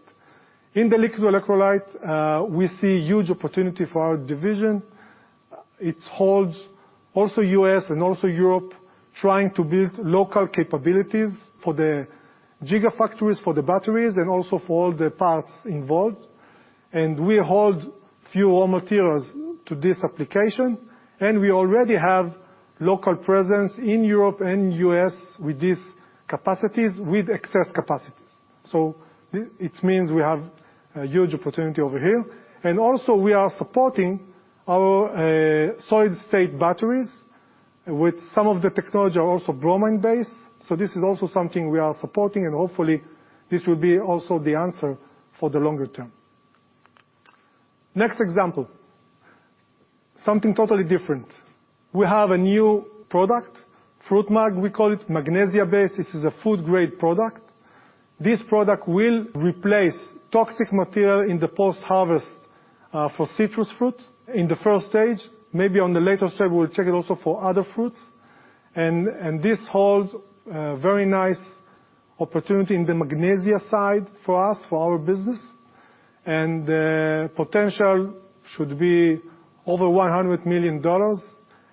In the liquid electrolyte, we see huge opportunity for our division. It holds also U.S. and also Europe trying to build local capabilities for the gigafactories, for the batteries, and also for all the parts involved. We hold few raw materials to this application, and we already have local presence in Europe and U.S. with these capacities, with excess capacities. It means we have a huge opportunity over here. Also, we are supporting our solid-state batteries with some of the technology are also bromine-based. This is also something we are supporting, and hopefully, this will be also the answer for the longer term. Next example, something totally different. We have a new product, FruitMag, we call it, magnesia-based. This is a food-grade product. This product will replace toxic material in the post-harvest for citrus fruit in the first stage. Maybe on the later stage, we will check it also for other fruits. This holds a very nice opportunity in the magnesia side for us, for our business. Potential should be over $100 million,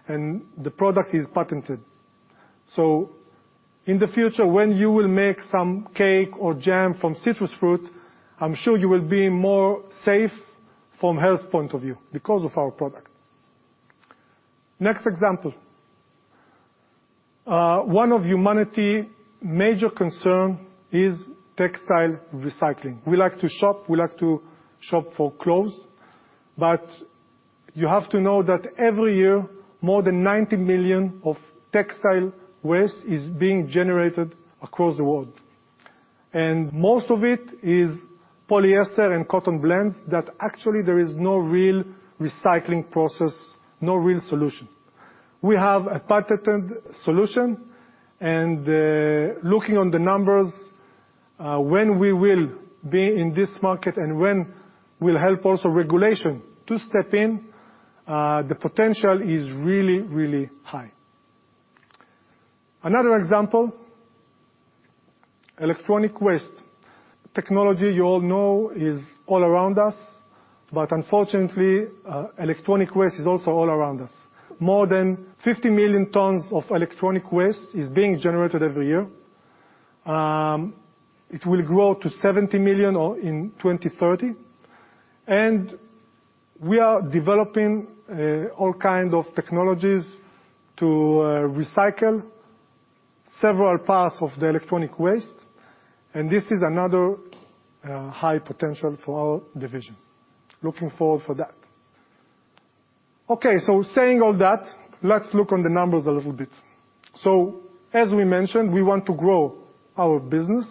and the product is patented. In the future, when you will make some cake or jam from citrus fruit, I'm sure you will be more safe from health point of view because of our product. Next example. One of humanity's major concerns is textile recycling. We like to shop, we like to shop for clothes, but you have to know that every year, more than 90 million of textile waste is being generated across the world, and most of it is polyester and cotton blends that actually there is no real recycling process, no real solution. We have a patented solution, and looking on the numbers, when we will be in this market and when will help also regulation to step in, the potential is really, really high. Another example, electronic waste. Technology, you all know, is all around us, but unfortunately, electronic waste is also all around us. More than 50 million tons of electronic waste is being generated every year. It will grow to 70 million in 2030. We are developing all kind of technologies to recycle several parts of the electronic waste, and this is another high potential for our division. Looking forward for that. Okay. Saying all that, let's look on the numbers a little bit. As we mentioned, we want to grow our business,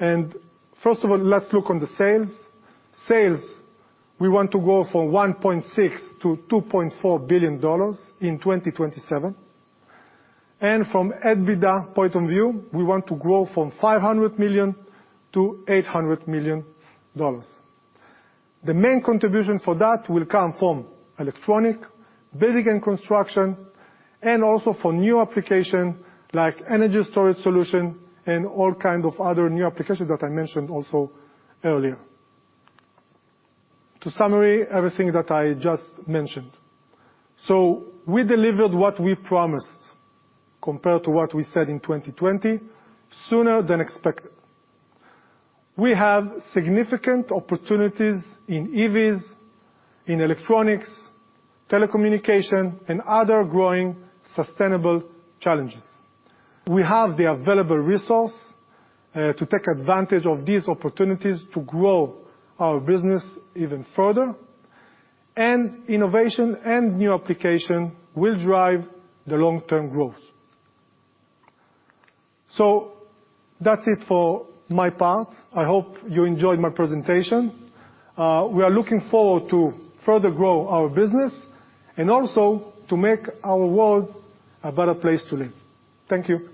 and first of all, let's look on the sales. Sales, we want to grow from $1.6 billion to $2.4 billion in 2027. From EBITDA point of view, we want to grow from $500 million to $800 million. The main contribution for that will come from electronics, building and construction, and also for new applications like energy storage solutions and all kinds of other new applications that I mentioned also earlier. To summarize everything that I just mentioned. We delivered what we promised compared to what we said in 2020, sooner than expected. We have significant opportunities in EVs, in electronics, telecommunication, and other growing sustainable challenges. We have the available resources to take advantage of these opportunities to grow our business even further, and innovation and new applications will drive the long-term growth. That's it for my part. I hope you enjoyed my presentation. We are looking forward to further grow our business and also to make our world a better place to live. Thank you.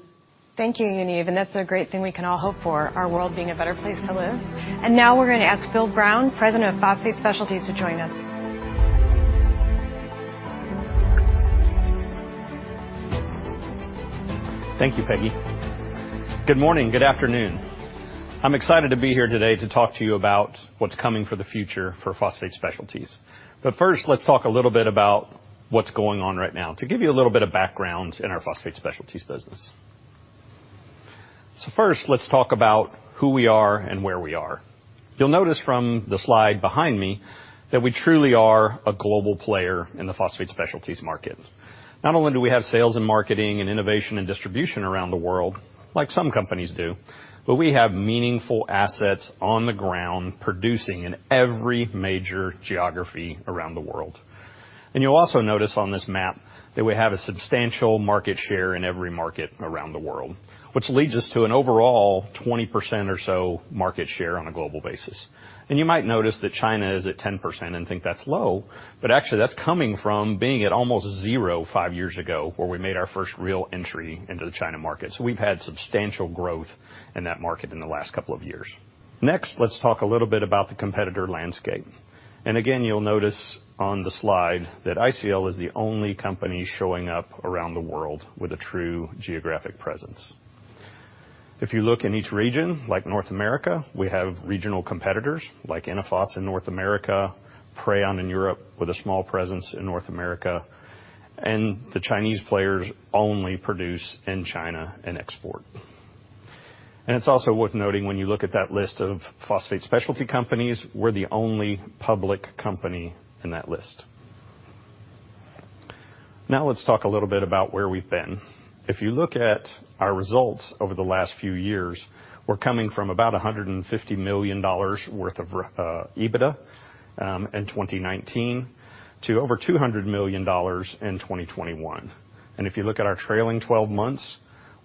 Thank you, Yaniv, and that's a great thing we can all hope for, our world being a better place to live. Now we're gonna ask Phil Brown, President of Phosphate Specialties, to join us. Thank you, Peggy. Good morning. Good afternoon. I'm excited to be here today to talk to you about what's coming for the future for Phosphate Specialties. First, let's talk a little bit about what's going on right now, to give you a little bit of background in our Phosphate Specialties business. So first, let's talk about who we are and where we are. You'll notice from the slide behind me that we truly are a global player in the phosphate specialties market. Not only do we have sales and marketing and innovation and distribution around the world, like some companies do, but we have meaningful assets on the ground producing in every major geography around the world. You'll also notice on this map that we have a substantial market share in every market around the world, which leads us to an overall 20% or so market share on a global basis. You might notice that China is at 10% and think that's low, but actually that's coming from being at almost zero, five years ago, where we made our first real entry into the China market. We've had substantial growth in that market in the last couple of years. Next, let's talk a little bit about the competitor landscape. You'll notice on the slide that ICL is the only company showing up around the world with a true geographic presence. If you look in each region, like North America, we have regional competitors like Innophos in North America, Prayon in Europe with a small presence in North America, and the Chinese players only produce in China and export. It's also worth noting when you look at that list of phosphate specialty companies, we're the only public company in that list. Now, let's talk a little bit about where we've been. If you look at our results over the last few years, we're coming from about $150 million worth of EBITDA in 2019 to over $200 million in 2021. If you look at our trailing twelve months,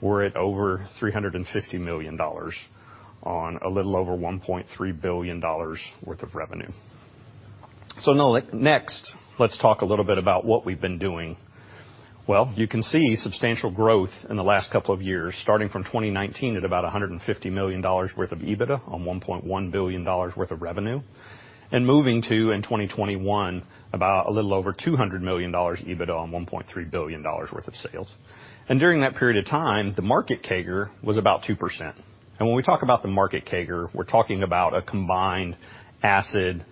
we're at over $350 million on a little over $1.3 billion worth of revenue. Next, let's talk a little bit about what we've been doing. Well, you can see substantial growth in the last couple of years, starting from 2019 at about $150 million worth of EBITDA on $1.1 billion worth of revenue, and moving to, in 2021, about a little over $200 million EBITDA on $1.3 billion worth of sales. During that period of time, the market CAGR was about 2%. When we talk about the market CAGR, we're talking about a combined acid,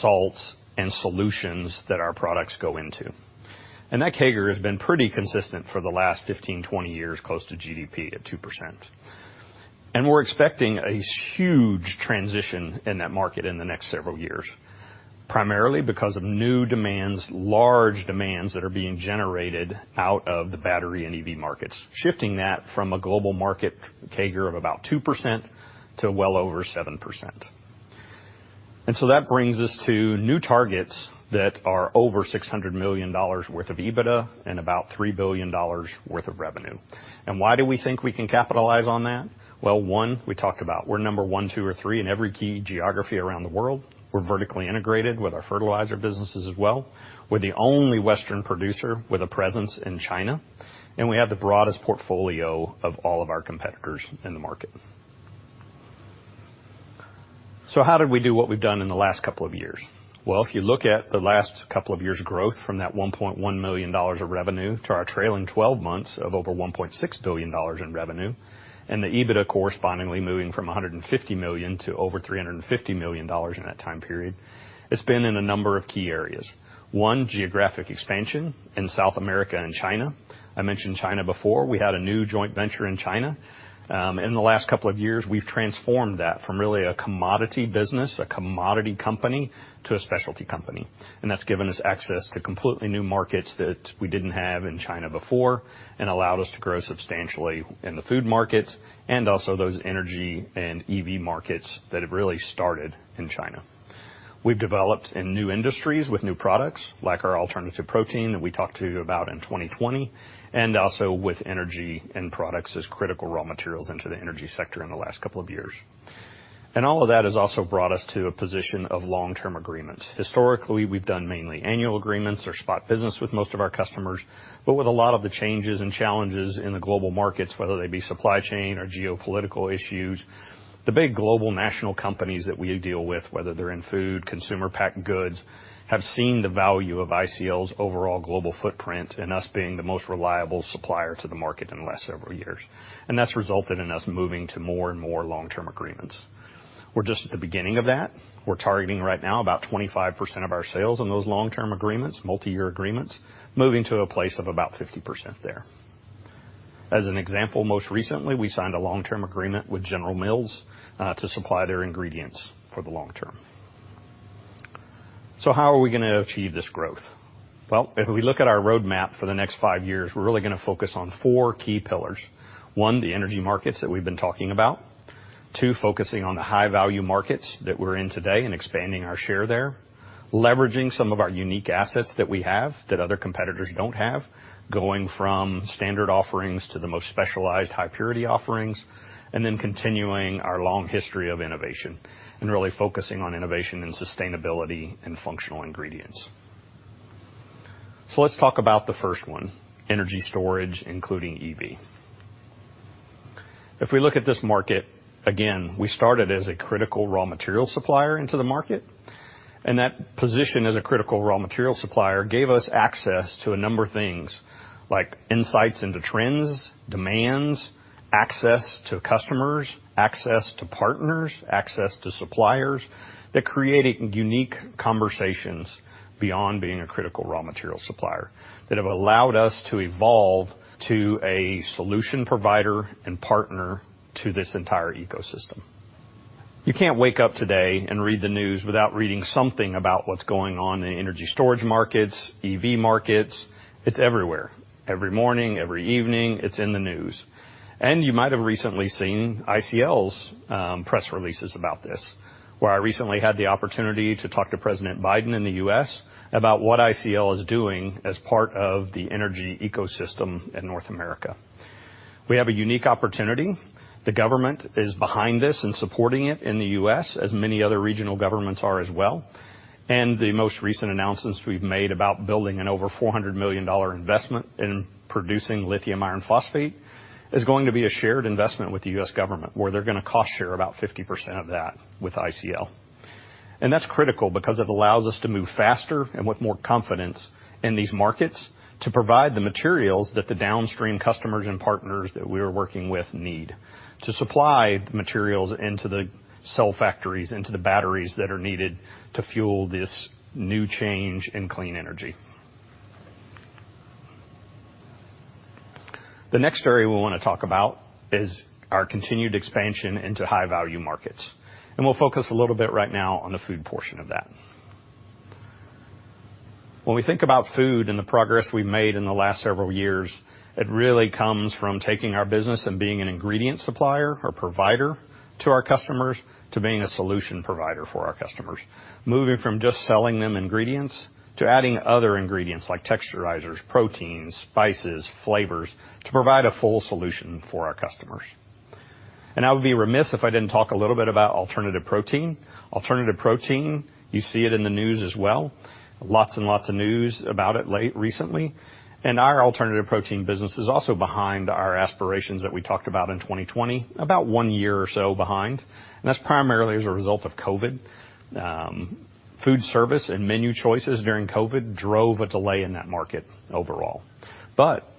salts, and solutions that our products go into. That CAGR has been pretty consistent for the last 15-20 years, close to GDP at 2%. We're expecting a huge transition in that market in the next several years, primarily because of new demands, large demands that are being generated out of the battery and EV markets, shifting that from a global market CAGR of about 2% to well over 7%. That brings us to new targets that are over $600 million worth of EBITDA and about $3 billion worth of revenue. Why do we think we can capitalize on that? Well, one, we talked about we're number one, two, or three in every key geography around the world. We're vertically integrated with our fertilizer businesses as well. We're the only Western producer with a presence in China, and we have the broadest portfolio of all of our competitors in the market. How did we do what we've done in the last couple of years? If you look at the last couple of years growth from that $1.1 million of revenue to our trailing twelve months of over $1.6 billion in revenue, and the EBITDA correspondingly moving from $150 million to over $350 million in that time period, it's been in a number of key areas. One, geographic expansion in South America and China. I mentioned China before. We had a new joint venture in China. In the last couple of years, we've transformed that from really a commodity business, a commodity company, to a specialty company. That's given us access to completely new markets that we didn't have in China before and allowed us to grow substantially in the food markets and also those energy and EV markets that have really started in China. We've developed in new industries with new products like our alternative protein that we talked to you about in 2020, and also with energy end products as critical raw materials into the energy sector in the last couple of years. All of that has also brought us to a position of long-term agreements. Historically, we've done mainly annual agreements or spot business with most of our customers. With a lot of the changes and challenges in the global markets, whether they be supply chain or geopolitical issues, the big global multinational companies that we deal with, whether they're in food, consumer packaged goods, have seen the value of ICL's overall global footprint and us being the most reliable supplier to the market in the last several years. That's resulted in us moving to more and more long-term agreements. We're just at the beginning of that. We're targeting right now about 25% of our sales in those long-term agreements, multi-year agreements, moving to a place of about 50% there. As an example, most recently, we signed a long-term agreement with General Mills to supply their ingredients for the long term. How are we gonna achieve this growth? Well, if we look at our roadmap for the next five years, we're really gonna focus on four key pillars. One, the energy markets that we've been talking about. Two, focusing on the high-value markets that we're in today and expanding our share there. Leveraging some of our unique assets that we have that other competitors don't have, going from standard offerings to the most specialized high purity offerings, and then continuing our long history of innovation and really focusing on innovation and sustainability and functional ingredients. Let's talk about the first one, energy storage, including EV. If we look at this market, again, we started as a critical raw material supplier into the market, and that position as a critical raw material supplier gave us access to a number of things like insights into trends, demands, access to customers, access to partners, access to suppliers that created unique conversations beyond being a critical raw material supplier that have allowed us to evolve to a solution provider and partner to this entire ecosystem. You can't wake up today and read the news without reading something about what's going on in energy storage markets, EV markets. It's everywhere. Every morning, every evening, it's in the news. You might have recently seen ICL's press releases about this, where I recently had the opportunity to talk to President Biden in the U.S. about what ICL is doing as part of the energy ecosystem in North America. We have a unique opportunity. The government is behind this and supporting it in the U.S., as many other regional governments are as well. The most recent announcements we've made about building an over $400 million investment in producing lithium iron phosphate is going to be a shared investment with the U.S. government, where they're gonna cost share about 50% of that with ICL. That's critical because it allows us to move faster and with more confidence in these markets to provide the materials that the downstream customers and partners that we're working with need to supply the materials into the cell factories, into the batteries that are needed to fuel this new change in clean energy. The next area we wanna talk about is our continued expansion into high-value markets, and we'll focus a little bit right now on the food portion of that. When we think about food and the progress we've made in the last several years, it really comes from taking our business and being an ingredient supplier or provider to our customers to being a solution provider for our customers, moving from just selling them ingredients to adding other ingredients like texturizers, proteins, spices, flavors to provide a full solution for our customers. I would be remiss if I didn't talk a little bit about alternative protein. Alternative protein, you see it in the news as well. Lots and lots of news about it recently. Our alternative protein business is also behind our aspirations that we talked about in 2020, about one year or so behind. That's primarily as a result of COVID. Food service and menu choices during COVID drove a delay in that market overall.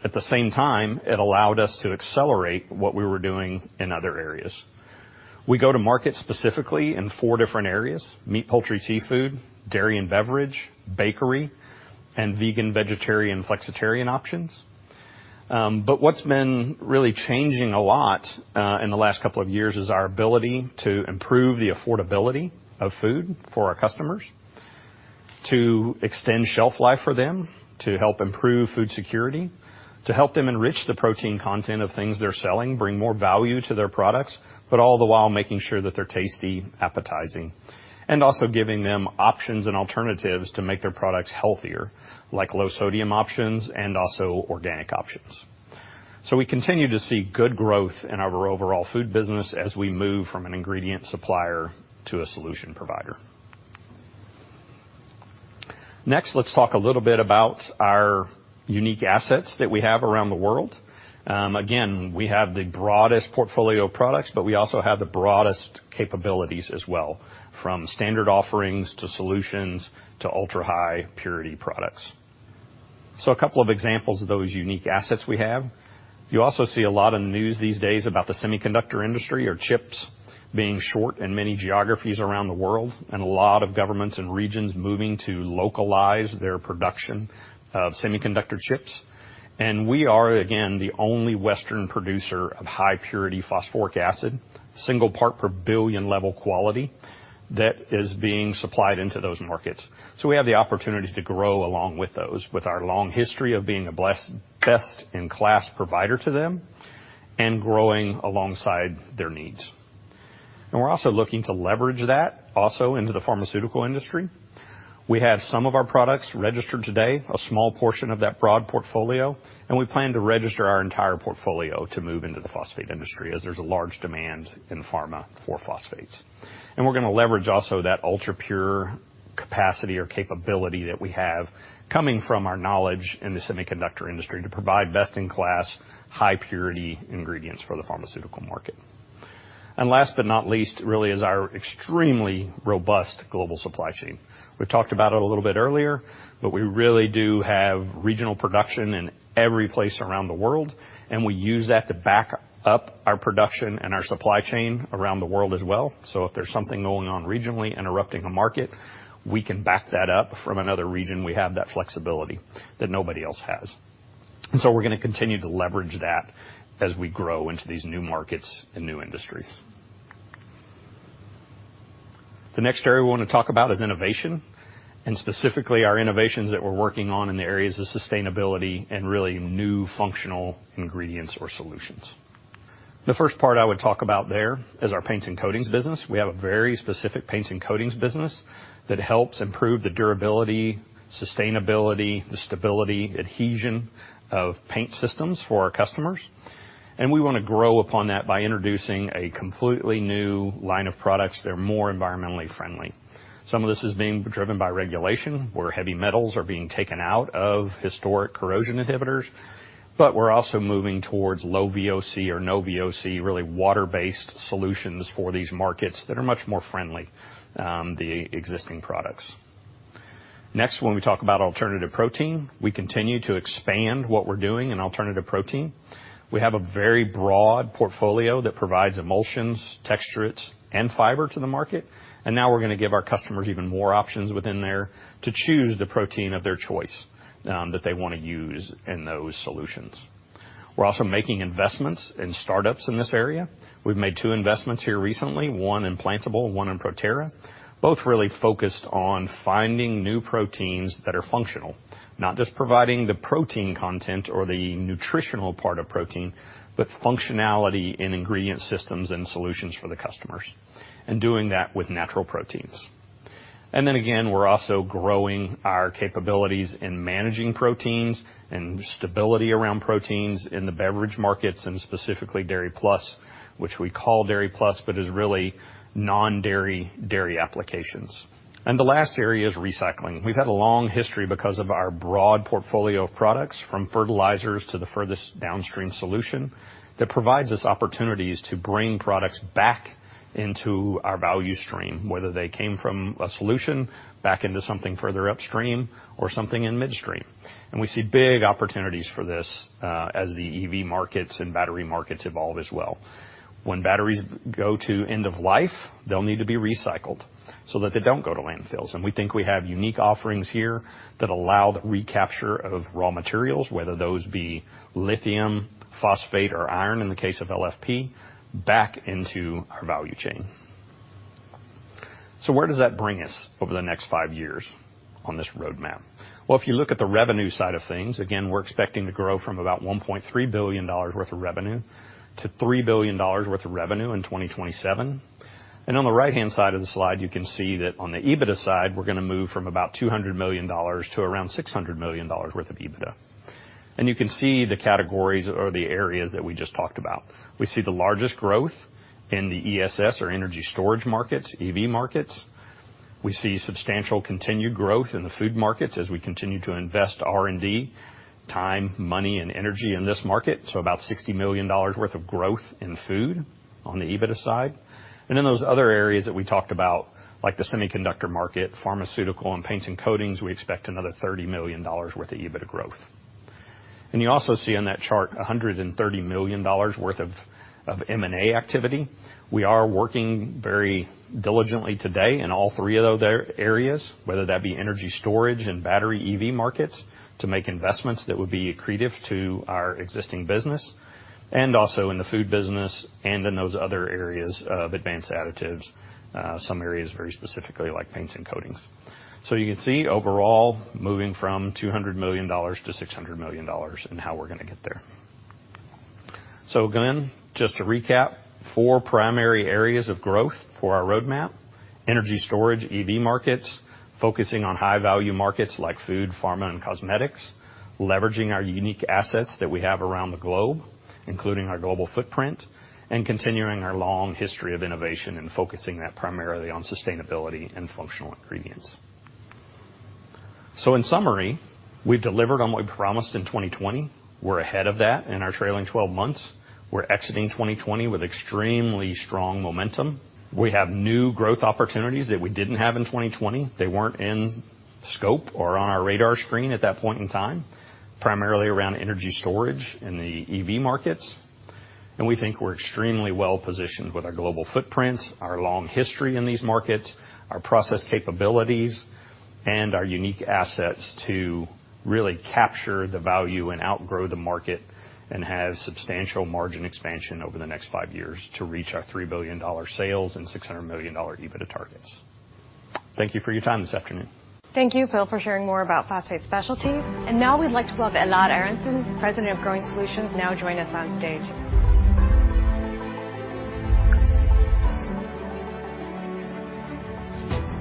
At the same time, it allowed us to accelerate what we were doing in other areas. We go to market specifically in four different areas, meat, poultry, seafood, dairy and beverage, bakery, and vegan, vegetarian, flexitarian options. What's been really changing a lot in the last couple of years is our ability to improve the affordability of food for our customers, to extend shelf life for them, to help improve food security, to help them enrich the protein content of things they're selling, bring more value to their products, but all the while making sure that they're tasty, appetizing, and also giving them options and alternatives to make their products healthier, like low sodium options and also organic options. We continue to see good growth in our overall food business as we move from an ingredient supplier to a solution provider. Next, let's talk a little bit about our unique assets that we have around the world. Again, we have the broadest portfolio of products, but we also have the broadest capabilities as well, from standard offerings to solutions to ultra-high purity products. A couple of examples of those unique assets we have. You also see a lot of news these days about the semiconductor industry or chips being short in many geographies around the world, and a lot of governments and regions moving to localize their production of semiconductor chips. We are, again, the only Western producer of high purity phosphoric acid, single parts per billion level quality that is being supplied into those markets. We have the opportunity to grow along with those, with our long history of being a best in class provider to them and growing alongside their needs. We're also looking to leverage that also into the pharmaceutical industry. We have some of our products registered today, a small portion of that broad portfolio, and we plan to register our entire portfolio to move into the phosphate industry as there's a large demand in pharma for phosphates. We're gonna leverage also that ultra pure capacity or capability that we have coming from our knowledge in the semiconductor industry to provide best in class high purity ingredients for the pharmaceutical market. Last but not least, really is our extremely robust global supply chain. We talked about it a little bit earlier, but we really do have regional production in every place around the world, and we use that to back up our production and our supply chain around the world as well. If there's something going on regionally interrupting a market, we can back that up from another region. We have that flexibility that nobody else has. We're gonna continue to leverage that as we grow into these new markets and new industries. The next area we wanna talk about is innovation, and specifically our innovations that we're working on in the areas of sustainability and really new functional ingredients or solutions. The first part I would talk about there is our paints and coatings business. We have a very specific paints and coatings business that helps improve the durability, sustainability, the stability, adhesion of paint systems for our customers. We wanna grow upon that by introducing a completely new line of products that are more environmentally friendly. Some of this is being driven by regulation, where heavy metals are being taken out of historic corrosion inhibitors, but we're also moving towards low VOC or no VOC, really water-based solutions for these markets that are much more friendly, the existing products. Next, when we talk about alternative protein, we continue to expand what we're doing in alternative protein. We have a very broad portfolio that provides emulsions, texturates, and fiber to the market, and now we're gonna give our customers even more options within there to choose the protein of their choice, that they wanna use in those solutions. We're also making investments in startups in this area. We've made two investments here recently, one in Plantible, one in Protera, both really focused on finding new proteins that are functional, not just providing the protein content or the nutritional part of protein, but functionality in ingredient systems and solutions for the customers, and doing that with natural proteins. Then again, we're also growing our capabilities in managing proteins and stability around proteins in the beverage markets, and specifically Dairy Plus, which we call Dairy Plus, but is really non-dairy dairy applications. The last area is recycling. We've had a long history because of our broad portfolio of products, from fertilizers to the furthest downstream solution that provides us opportunities to bring products back into our value stream, whether they came from a solution back into something further upstream or something in midstream. We see big opportunities for this, as the EV markets and battery markets evolve as well. When batteries go to end of life, they'll need to be recycled so that they don't go to landfills. We think we have unique offerings here that allow the recapture of raw materials, whether those be lithium, phosphate or iron in the case of LFP, back into our value chain. Where does that bring us over the next five years on this roadmap? If you look at the revenue side of things, again, we're expecting to grow from about $1.3 billion worth of revenue to $3 billion worth of revenue in 2027. On the right-hand side of the slide, you can see that on the EBITDA side, we're gonna move from about $200 million to around $600 million worth of EBITDA. You can see the categories or the areas that we just talked about. We see the largest growth in the ESS or energy storage markets, EV markets. We see substantial continued growth in the food markets as we continue to invest R&D, time, money and energy in this market, so about $60 million worth of growth in food on the EBITDA side. In those other areas that we talked about, like the semiconductor market, pharmaceutical and paints and coatings, we expect another $30 million worth of EBITDA growth. You also see on that chart $130 million worth of M&A activity. We are working very diligently today in all three of those areas, whether that be energy storage and battery EV markets to make investments that would be accretive to our existing business and also in the food business and in those other areas of advanced additives, some areas very specifically like paints and coatings. You can see overall moving from $200 million to $600 million and how we're gonna get there. Again, just to recap, four primary areas of growth for our roadmap, energy storage EV markets, focusing on high-value markets like food, pharma, and cosmetics, leveraging our unique assets that we have around the globe, including our global footprint, and continuing our long history of innovation and focusing that primarily on sustainability and functional ingredients. In summary, we've delivered on what we promised in 2020. We're ahead of that in our trailing twelve months. We're exiting 2020 with extremely strong momentum. We have new growth opportunities that we didn't have in 2020. They weren't in scope or on our radar screen at that point in time, primarily around energy storage in the EV markets. We think we're extremely well-positioned with our global footprint, our long history in these markets, our process capabilities, and our unique assets to really capture the value and outgrow the market and have substantial margin expansion over the next five years to reach our $3 billion sales and $600 million EBITDA targets. Thank you for your time this afternoon. Thank you, Phil, for sharing more about Phosphate Specialties. Now we'd like to welcome Elad Aharonson, President of Growing Solutions, now join us on stage.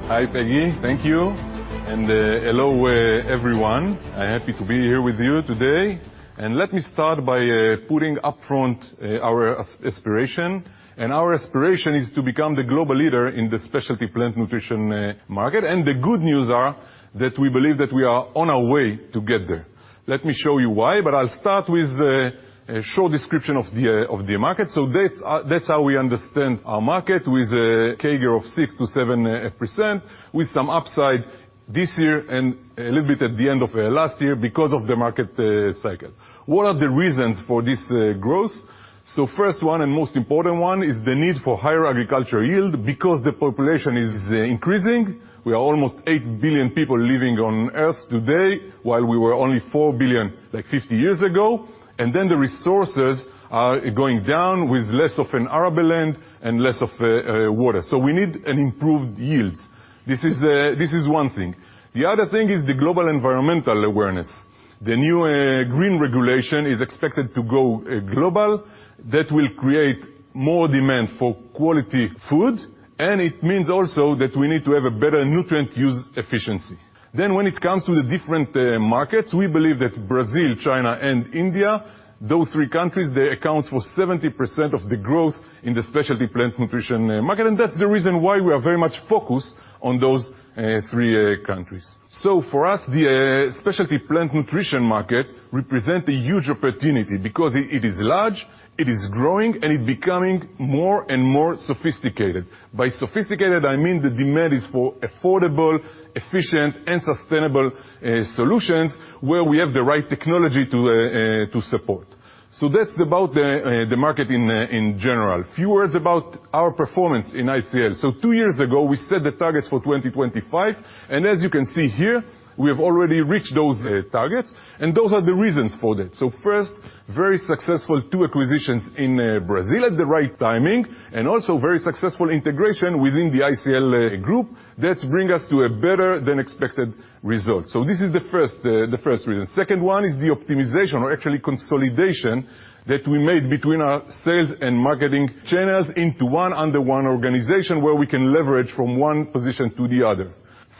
Hi, Peggy. Thank you. Hello, everyone. I'm happy to be here with you today. Let me start by putting upfront our aspiration. Our aspiration is to become the global leader in the specialty plant nutrition market. The good news are that we believe that we are on our way to get there. Let me show you why, but I'll start with a short description of the market. That's how we understand our market, with a CAGR of 6% to 7%, with some upside this year and a little bit at the end of last year because of the market cycle. What are the reasons for this growth? First one and most important one is the need for higher agricultural yield because the population is increasing. We are almost eight billion people living on Earth today, while we were only four billion, like, 50 years ago. The resources are going down with less of an arable land and less of water. We need an improved yields. This is one thing. The other thing is the global environmental awareness. The new green regulation is expected to go global. That will create more demand for quality food, and it means also that we need to have a better nutrient use efficiency. When it comes to the different markets, we believe that Brazil, China, and India, those three countries, they account for 70% of the growth in the specialty plant nutrition market, and that's the reason why we are very much focused on those three countries. For us, the specialty plant nutrition market represent a huge opportunity because it is large, it is growing, and it becoming more and more sophisticated. By sophisticated, I mean the demand is for affordable, efficient, and sustainable solutions where we have the right technology to support. That's about the market in general. A few words about our performance in ICL. Two years ago, we set the targets for 2025, and as you can see here, we have already reached those targets, and those are the reasons for that. First, very successful two acquisitions in Brazil at the right timing, and also very successful integration within the ICL Group that's bring us to a better-than-expected result. This is the first reason. Second one is the optimization or actually consolidation that we made between our sales and marketing channels into one-under-one organization where we can leverage from one position to the other.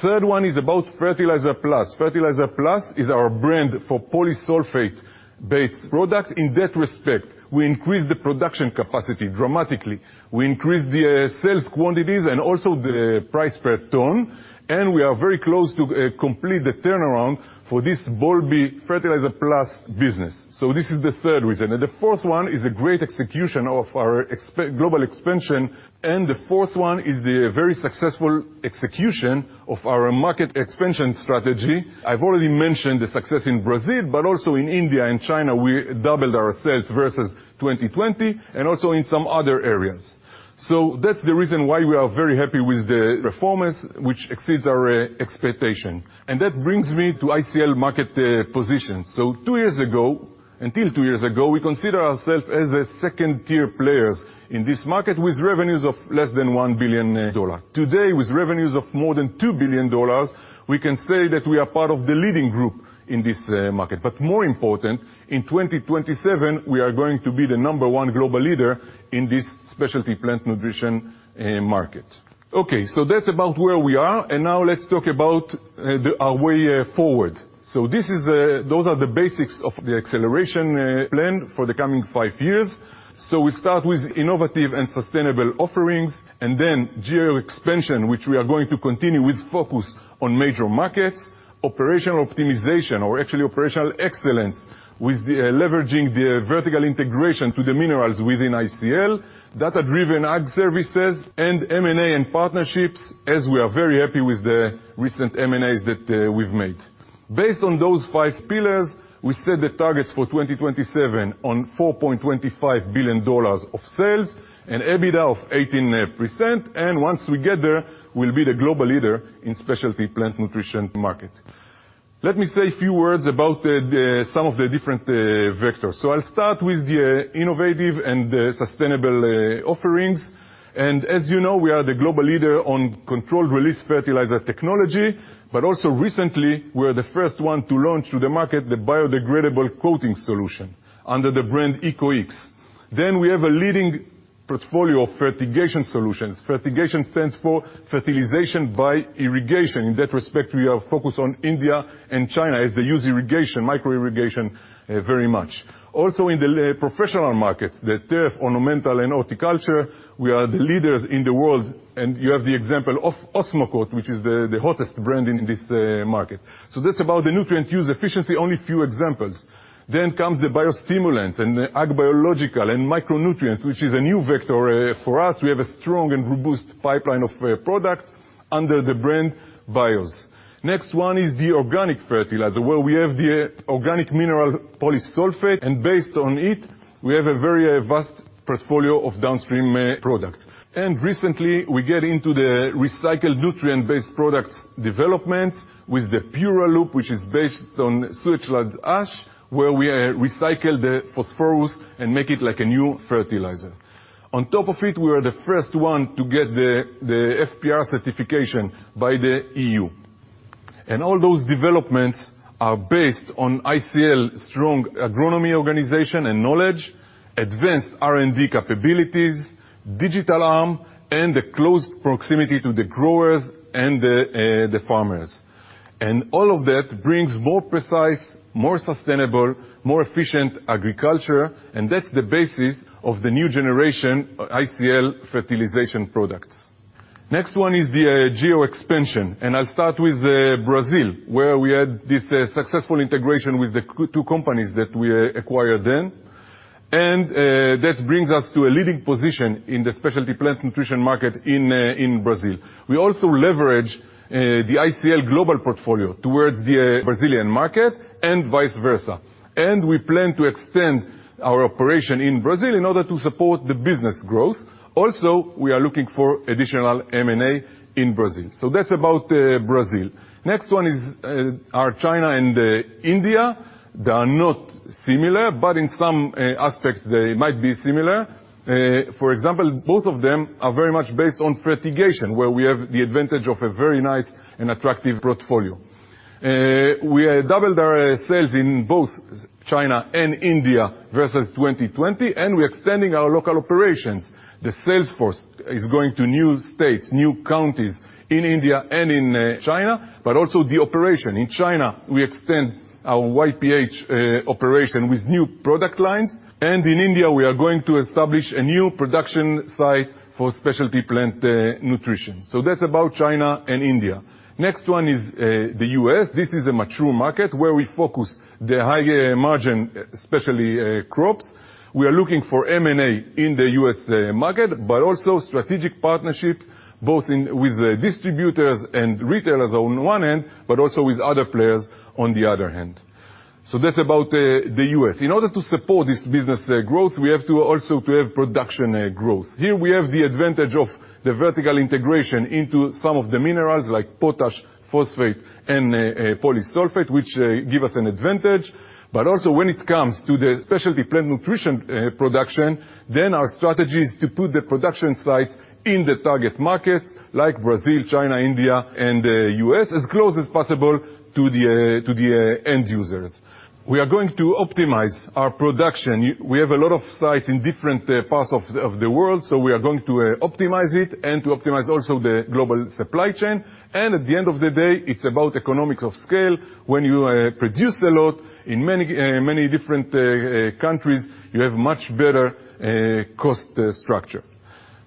Third one is about FertilizerpluS. FertilizerpluS is our brand for Polysulphate-based product. In that respect, we increased the production capacity dramatically. We increased the sales quantities and also the price per ton, and we are very close to complete the turnaround for this Boulby FertilizerpluS business. This is the third reason. The fourth one is a great execution of our global expansion, and the fourth one is the very successful execution of our market expansion strategy. I've already mentioned the success in Brazil, but also in India and China, we doubled our sales versus 2020 and also in some other areas. That's the reason why we are very happy with the performance, which exceeds our expectation. That brings me to ICL market position. Until two years ago, we consider ourself as a second-tier players in this market with revenues of less than $1 billion. Today, with revenues of more than $2 billion, we can say that we are part of the leading group in this market. But more important, in 2027, we are going to be the number one global leader in this specialty plant nutrition market. Okay, that's about where we are, and now let's talk about the our way forward. Those are the basics of the acceleration plan for the coming five years. We start with innovative and sustainable offerings and then geo expansion, which we are going to continue with focus on major markets, operational optimization or actually operational excellence with the leveraging the vertical integration to the minerals within ICL, data-driven ag services, and M&A and partnerships, as we are very happy with the recent M&As that we've made. Based on those five pillars, we set the targets for 2027 on $4.25 billion of sales and EBITDA of 18%, and once we get there, we'll be the global leader in specialty plant nutrition market. Let me say a few words about some of the different vectors. I'll start with the innovative and the sustainable offerings. As you know, we are the global leader on controlled-release fertilizer technology, but also recently, we're the first one to launch to the market the biodegradable coating solution under the brand eqo.x. We have a leading portfolio of fertigation solutions. Fertigation stands for fertilization by irrigation. In that respect, we are focused on India and China as they use irrigation, micro irrigation, very much. In the professional market, the turf, ornamental, and horticulture, we are the leaders in the world, and you have the example of Osmocote, which is the hottest brand in this market. That's about the nutrient use efficiency, only a few examples. Comes the biostimulants and ag biological and micronutrients, which is a new vector. For us, we have a strong and robust pipeline of products under the brand Bios. Next one is the organic fertilizer, where we have the organic mineral Polysulphate, and based on it, we have a very vast portfolio of downstream products. Recently, we get into the recycled nutrient-based products development with the Puraloop, which is based on sewage ash, where we recycle the phosphorus and make it like a new fertilizer. On top of it, we are the first one to get the FPR certification by the EU. All those developments are based on ICL strong agronomy organization and knowledge, advanced R&D capabilities, digital arm, and a close proximity to the growers and the farmers. All of that brings more precise, more sustainable, more efficient agriculture, and that's the basis of the new generation ICL fertilization products. Next one is the geo expansion, and I'll start with Brazil, where we had this successful integration with the two companies that we acquired then. That brings us to a leading position in the specialty plant nutrition market in Brazil. We also leverage the ICL global portfolio towards the Brazilian market and vice versa. We plan to extend our operation in Brazil in order to support the business growth. Also, we are looking for additional M&A in Brazil. That's about Brazil. Next one is China and India. They are not similar, but in some aspects they might be similar. For example, both of them are very much based on fertigation, where we have the advantage of a very nice and attractive portfolio. We doubled our sales in both China and India versus 2020, and we're extending our local operations. The sales force is going to new states, new counties in India and in China, but also the operation. In China, we extend our YPH operation with new product lines, and in India, we are going to establish a new production site for specialty plant nutrition. That's about China and India. Next one is the U.S. This is a mature market where we focus on the high margin, especially crops. We are looking for M&A in the U.S. market, but also strategic partnerships, both with distributors and retailers on one end, but also with other players on the other hand. That's about the U.S. In order to support this business growth, we have to also have production growth. Here we have the advantage of the vertical integration into some of the minerals like potash, phosphate, and Polysulphate, which give us an advantage. Also when it comes to the specialty plant nutrition production, then our strategy is to put the production sites in the target markets like Brazil, China, India, and U.S. as close as possible to the end users. We are going to optimize our production. We have a lot of sites in different parts of the world, so we are going to optimize it and to optimize also the global supply chain. At the end of the day, it's about economies of scale. When you produce a lot in many different countries, you have much better cost structure.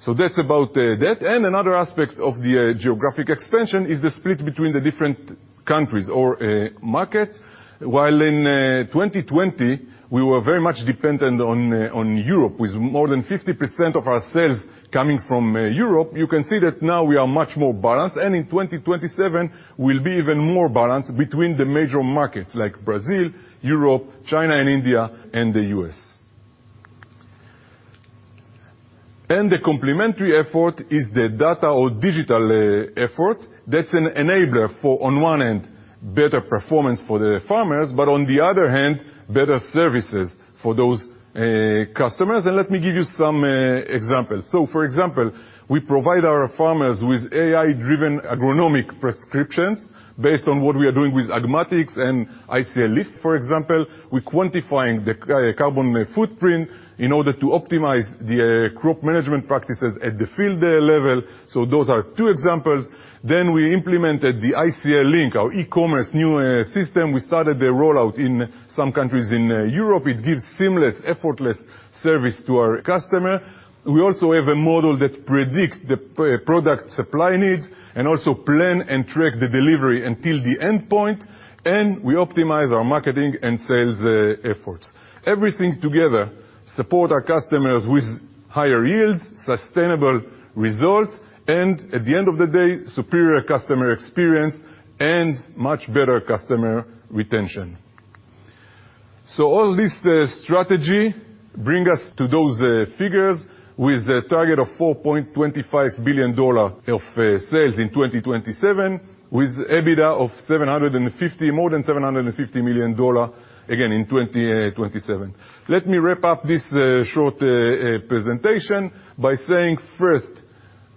That's about that. Another aspect of the geographic expansion is the split between the different countries or markets. While in 2020, we were very much dependent on Europe, with more than 50% of our sales coming from Europe. You can see that now we are much more balanced, and in 2027, we'll be even more balanced between the major markets like Brazil, Europe, China and India, and the U.S. The complementary effort is the data or digital effort. That's an enabler for, on one end, better performance for the farmers, but on the other hand, better services for those customers. Let me give you some examples. For example, we provide our farmers with AI-driven agronomic prescriptions based on what we are doing with Agmatix and ICLeaf, for example. We're quantifying the carbon footprint in order to optimize the crop management practices at the field level. Those are two examples. We implemented the ICL Link, our new e-commerce system. We started the rollout in some countries in Europe. It gives seamless, effortless service to our customer. We also have a model that predicts the product supply needs and also plan and track the delivery until the end point, and we optimize our marketing and sales efforts. Everything together support our customers with higher yields, sustainable results, and at the end of the day, superior customer experience and much better customer retention. All this strategy bring us to those figures with a target of $4.25 billion of sales in 2027, with EBITDA of more than $750 million again in 2027. Let me wrap up this short presentation by saying first,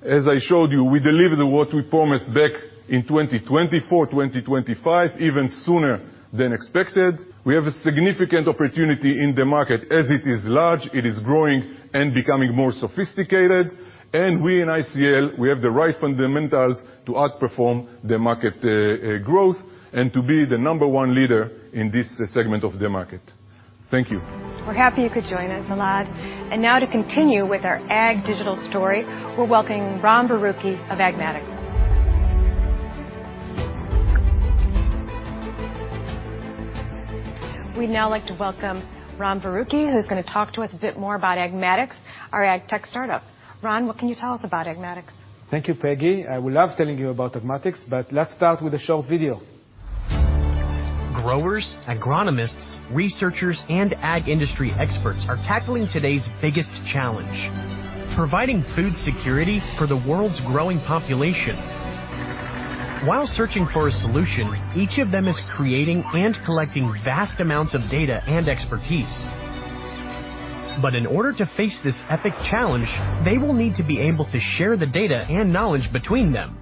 as I showed you, we delivered what we promised back in 2020 for 2025, even sooner than expected. We have a significant opportunity in the market, as it is large, it is growing and becoming more sophisticated. We in ICL, we have the right fundamentals to outperform the market growth and to be the number one leader in this segment of the market. Thank you. We're happy you could join us, Elad. Now to continue with our ag digital story, we're welcoming Ron Baruchi of Agmatix. We'd now like to welcome Ron Baruchi, who's gonna talk to us a bit more about Agmatix, our Ag Tech Startup. Ron, what can you tell us about Agmatix? Thank you, Peggy. I would love telling you about Agmatix, but let's start with a short video. Growers, agronomists, researchers, and ag industry experts are tackling today's biggest challenge: providing food security for the world's growing population. While searching for a solution, each of them is creating and collecting vast amounts of data and expertise. In order to face this epic challenge, they will need to be able to share the data and knowledge between them.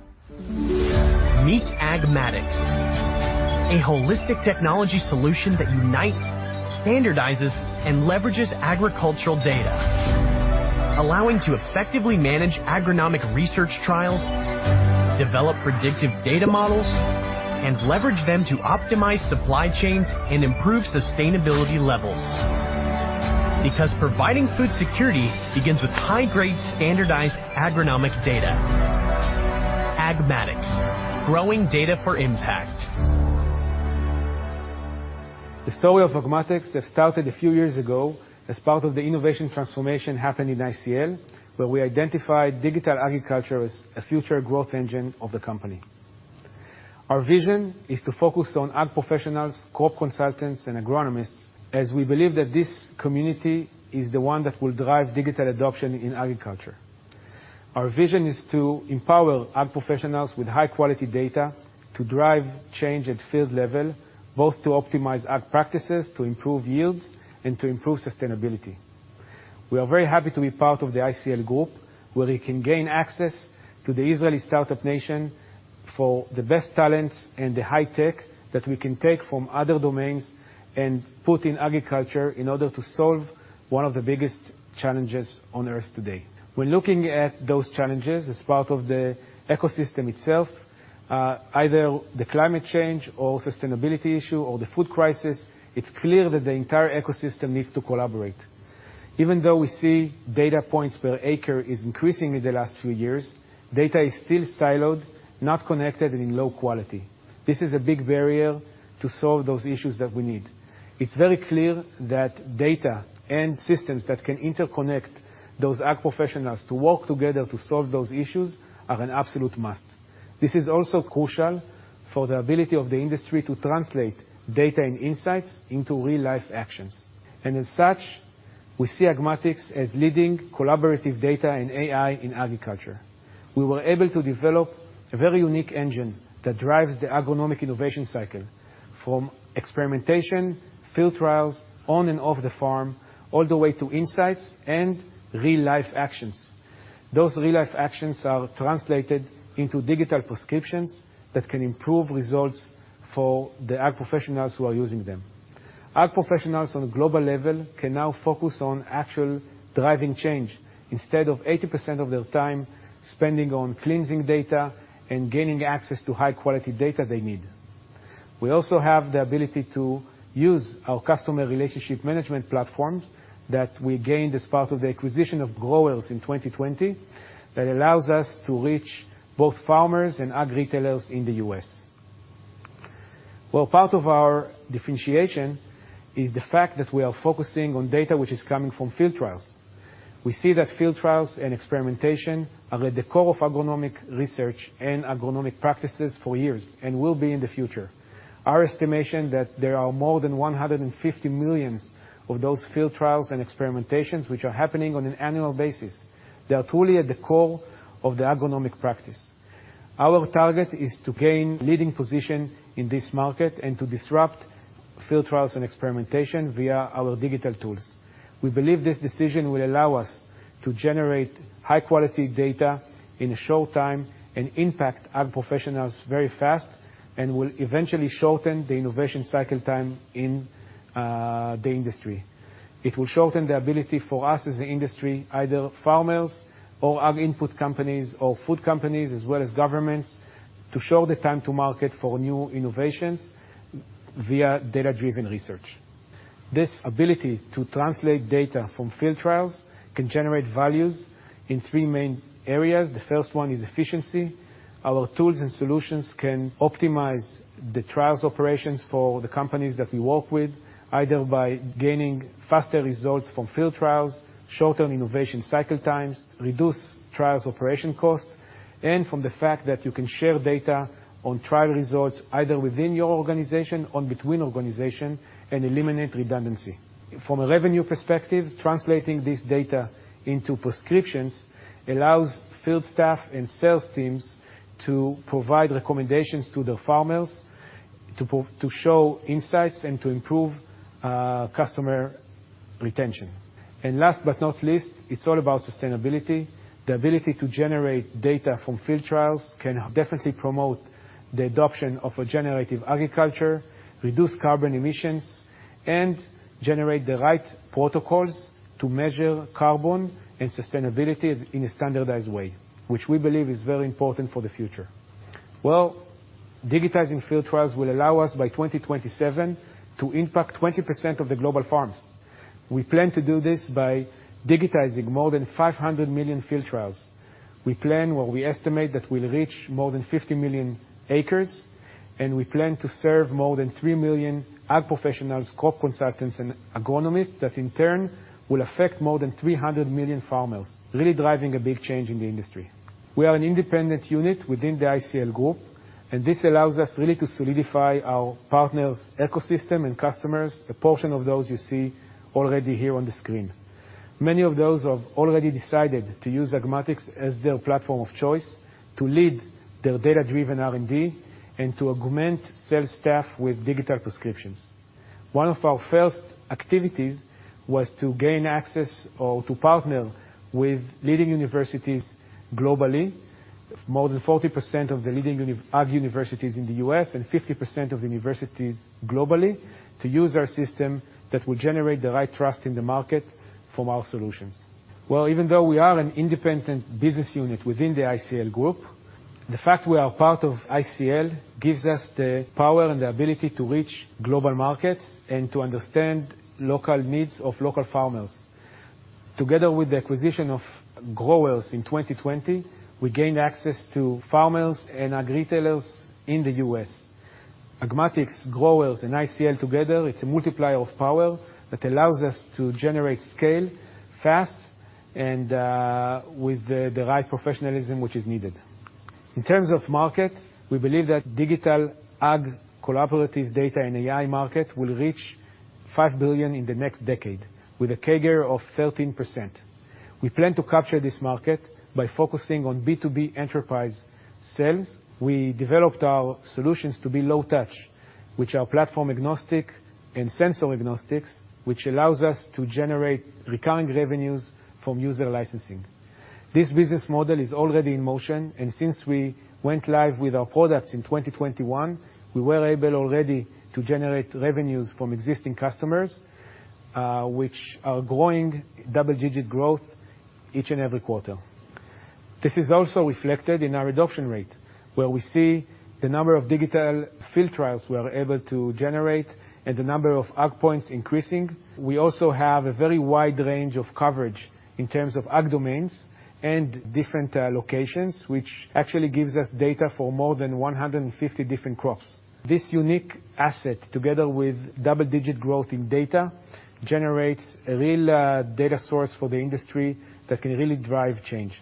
Meet Agmatix, a holistic technology solution that unites, standardizes, and leverages agricultural data, allowing to effectively manage agronomic research trials, develop predictive data models, and leverage them to optimize supply chains and improve sustainability levels. Because providing food security begins with high-grade, standardized agronomic data. Agmatix, growing data for impact. The story of Agmatix that started a few years ago as part of the innovation transformation happened in ICL, where we identified digital agriculture as a future growth engine of the company. Our vision is to focus on ag professionals, crop consultants, and agronomists, as we believe that this community is the one that will drive digital adoption in agriculture. Our vision is to empower ag professionals with high-quality data to drive change at field level, both to optimize ag practices, to improve yields, and to improve sustainability. We are very happy to be part of the ICL Group, where we can gain access to the Israeli startup nation for the best talents and the high tech that we can take from other domains and put in agriculture in order to solve one of the biggest challenges on Earth today. When looking at those challenges as part of the ecosystem itself, either the climate change or sustainability issue or the food crisis, it's clear that the entire ecosystem needs to collaborate. Even though we see data points per acre is increasing in the last few years, data is still siloed, not connected, and in low quality. This is a big barrier to solve those issues that we need. It's very clear that data and systems that can interconnect those ag professionals to work together to solve those issues are an absolute must. This is also crucial for the ability of the industry to translate data and insights into real-life actions. As such, we see Agmatix as leading collaborative data and AI in agriculture. We were able to develop a very unique engine that drives the agronomic innovation cycle from experimentation, field trials on and off the farm, all the way to insights and real-life actions. Those real-life actions are translated into digital prescriptions that can improve results for the ag professionals who are using them. Ag professionals on a global level can now focus on actual driving change instead of 80% of their time spending on cleansing data and gaining access to high-quality data they need. We also have the ability to use our customer relationship management platform that we gained as part of the acquisition of Growers in 2020 that allows us to reach both farmers and ag retailers in the U.S. Well, part of our differentiation is the fact that we are focusing on data which is coming from field trials. We see that field trials and experimentation are at the core of agronomic research and agronomic practices for years and will be in the future. Our estimation that there are more than 150 million of those field trials and experimentations which are happening on an annual basis. They are truly at the core of the agronomic practice. Our target is to gain leading position in this market and to disrupt field trials and experimentation via our digital tools. We believe this decision will allow us to generate high-quality data in a short time and impact ag professionals very fast and will eventually shorten the innovation cycle time in the industry. It will shorten the ability for us as an industry, either farmers or ag input companies or food companies, as well as governments, to show the time to market for new innovations via data-driven research. This ability to translate data from field trials can generate values in three main areas. The first one is efficiency. Our tools and solutions can optimize the trials operations for the companies that we work with, either by gaining faster results from field trials, shorten innovation cycle times, reduce trials operation costs, and from the fact that you can share data on trial results either within your organization or between organization and eliminate redundancy. From a revenue perspective, translating this data into prescriptions allows field staff and sales teams to provide recommendations to the farmers to show insights and to improve, customer retention. Last but not least, it's all about sustainability. The ability to generate data from field trials can definitely promote the adoption of a generative agriculture, reduce carbon emissions, and generate the right protocols to measure carbon and sustainability in a standardized way, which we believe is very important for the future. Well, digitizing field trials will allow us by 2027 to impact 20% of the global farms. We plan to do this by digitizing more than 500 million field trials. We plan, or we estimate that we'll reach more than 50 million acres, and we plan to serve more than three million Ag Professionals, crop consultants and agronomists that in turn will affect more than 300 million farmers. Really driving a big change in the industry. We are an independent unit within the ICL Group, and this allows us really to solidify our partners' ecosystem and customers. A portion of those you see already here on the screen. Many of those have already decided to use Agmatix as their platform of choice to lead their data-driven R&D and to augment sales staff with digital prescriptions. One of our first activities was to gain access, or to partner with leading universities globally. More than 40% of the leading ag universities in the U.S. and 50% of universities globally to use our system that will generate the right trust in the market from our solutions. Well, even though we are an independent business unit within the ICL Group, the fact we are part of ICL gives us the power and the ability to reach global markets and to understand local needs of local farmers. Together with the acquisition of Growers in 2020, we gained access to farmers and ag retailers in the U.S. Agmatix Growers and ICL together, it's a multiplier of power that allows us to generate scale fast and with the right professionalism which is needed. In terms of market, we believe that digital ag collaborative data and AI market will reach $5 billion in the next decade with a CAGR of 13%. We plan to capture this market by focusing on B2B enterprise sales. We developed our solutions to be low touch, which are platform agnostic and sensor agnostic, which allows us to generate recurring revenues from user licensing. This business model is already in motion, and since we went live with our products in 2021, we were able already to generate revenues from existing customers, which are growing double-digit growth each and every quarter. This is also reflected in our adoption rate, where we see the number of digital field trials we are able to generate and the number of ag points increasing. We also have a very wide range of coverage in terms of ag domains and different locations, which actually gives us data for more than 150 different crops. This unique asset, together with double-digit growth in data, generates a real data source for the industry that can really drive change.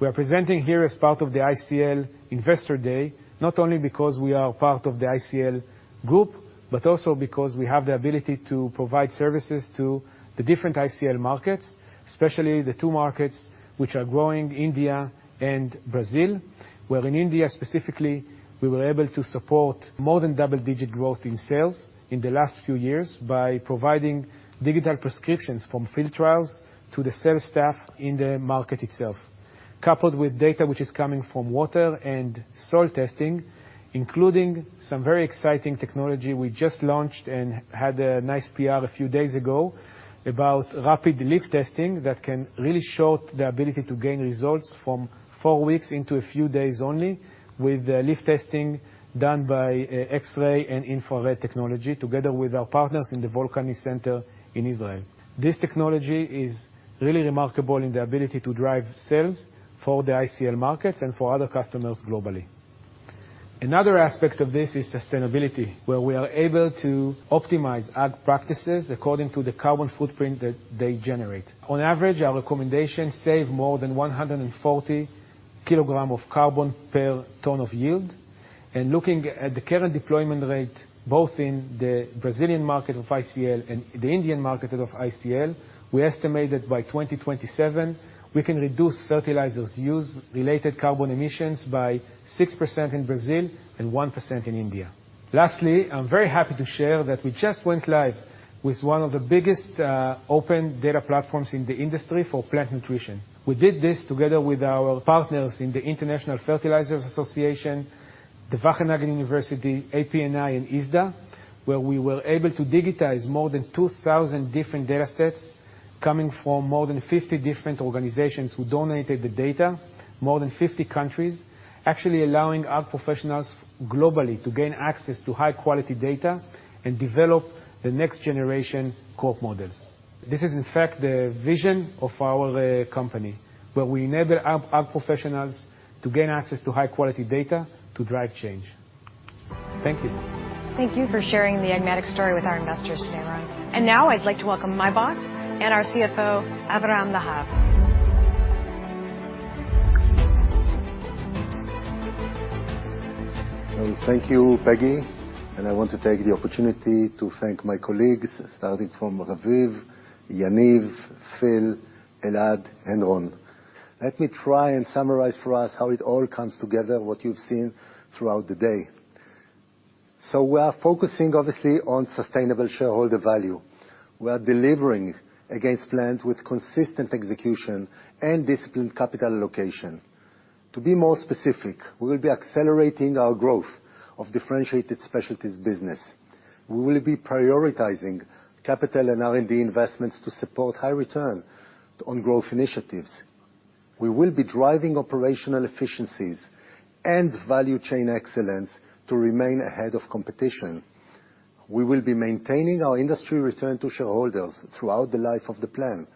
We are presenting here as part of the ICL Investor Day, not only because we are part of the ICL Group, but also because we have the ability to provide services to the different ICL markets, especially the two markets which are growing, India and Brazil, where in India specifically, we were able to support more than double-digit growth in sales in the last few years by providing digital prescriptions from field trials to the sales staff in the market itself. Coupled with data which is coming from water and soil testing, including some very exciting technology we just launched and had a nice PR a few days ago about rapid leaf testing that can really shorten the ability to gain results from four weeks into a few days only with leaf testing done by X-ray and infrared technology together with our partners in the Volcani Center in Israel. This technology is really remarkable in the ability to drive sales for the ICL markets and for other customers globally. Another aspect of this is sustainability, where we are able to optimize ag practices according to the carbon footprint that they generate. On average, our recommendations save more than 140 kilogram of carbon per ton of yield. Looking at the current deployment rate, both in the Brazilian market of ICL and the Indian market of ICL, we estimate that by 2027, we can reduce fertilizers use related carbon emissions by 6% in Brazil and 1% in India. Lastly, I'm very happy to share that we just went live with one of the biggest open data platforms in the industry for plant nutrition We did this together with our partners in the International Fertilizer Association, the Wageningen University, APNI and ISDA, where we were able to digitize more than 2,000 different data sets coming from more than 50 different organizations who donated the data. More than 50 countries, actually allowing ag professionals globally to gain access to high-quality data and develop the next generation crop models. This is in fact the vision of our company, where we enable ag professionals to gain access to high-quality data to drive change. Thank you. Thank you for sharing the Agmatix story with our investors today, Ron. Now I'd like to welcome my boss and our CFO, Aviram Lahav. Thank you, Peggy. I want to take the opportunity to thank my colleagues, starting from Raviv, Yaniv, Phil, Elad, and Ron. Let me try and summarize for us how it all comes together, what you've seen throughout the day. We are focusing obviously on sustainable shareholder value. We are delivering against plans with consistent execution and disciplined capital allocation. To be more specific, we will be accelerating our growth of differentiated specialties business. We will be prioritizing capital and R&D investments to support high return on growth initiatives. We will be driving operational efficiencies and value chain excellence to remain ahead of competition. We will be maintaining our industry return to shareholders throughout the life of the plan.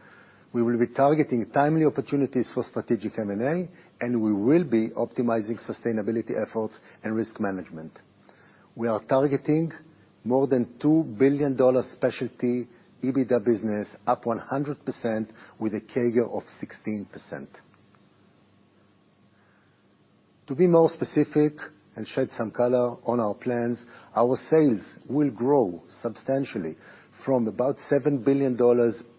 We will be targeting timely opportunities for strategic M&A, and we will be optimizing sustainability efforts and risk management. We are targeting more than $2 billion specialty EBITDA business, up 100% with a CAGR of 16%. To be more specific and shed some color on our plans, our sales will grow substantially from about $7 billion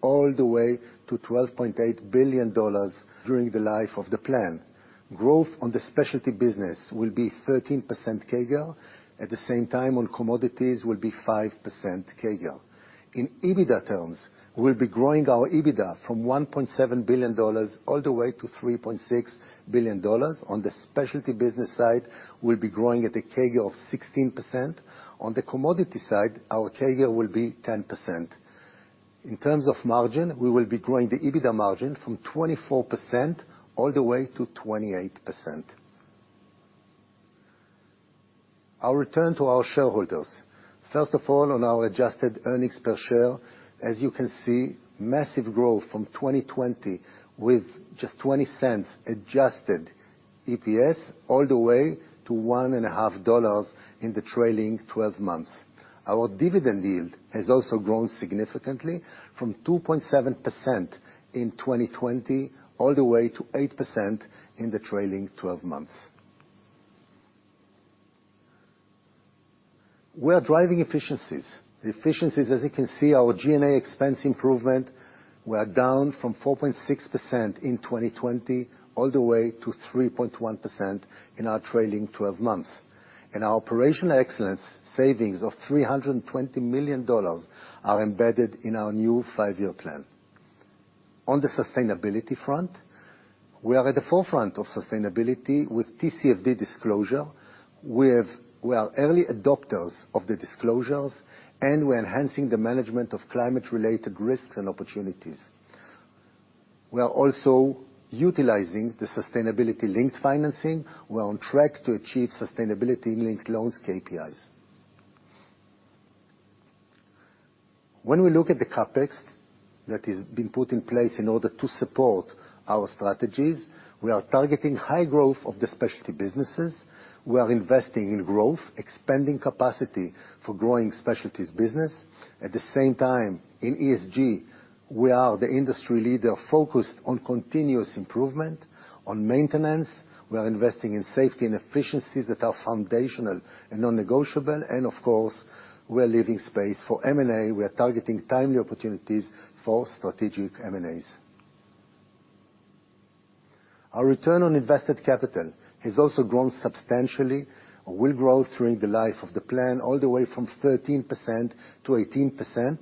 all the way to $12.8 billion during the life of the plan. Growth on the specialty business will be 13% CAGR. At the same time, on commodities will be 5% CAGR. In EBITDA terms, we'll be growing our EBITDA from $1.7 billion all the way to $3.6 billion. On the specialty business side, we'll be growing at a CAGR of 16%. On the commodity side, our CAGR will be 10%. In terms of margin, we will be growing the EBITDA margin from 24% all the way to 28%. Our return to our shareholders. First of all, on our adjusted earnings per share, as you can see, massive growth from 2020 with just $0.20 adjusted EPS all the way to $1.50 in the trailing twelve months. Our dividend yield has also grown significantly from 2.7% in 2020 all the way to 8% in the trailing twelve months. We are driving efficiencies. The efficiencies, as you can see, our G&A expense improvement, we are down from 4.6% in 2020 all the way to 3.1% in our trailing twelve months. In our operational excellence, savings of $320 million are embedded in our new five year plan. On the sustainability front, we are at the forefront of sustainability with TCFD disclosure. We are early adopters of the disclosures, and we're enhancing the management of climate-related risks and opportunities. We are also utilizing the sustainability-linked financing. We're on track to achieve sustainability-linked loans KPIs. When we look at the CapEx that has been put in place in order to support our strategies, we are targeting high growth of the specialty businesses. We are investing in growth, expanding capacity for growing specialties business. At the same time, in ESG, we are the industry leader focused on continuous improvement and maintenance. We are investing in safety and efficiency that are foundational and non-negotiable. Of course, we are leaving space for M&A. We are targeting timely opportunities for strategic M&As. Our return on invested capital has also grown substantially. We'll grow during the life of the plan all the way from 13% to 18%.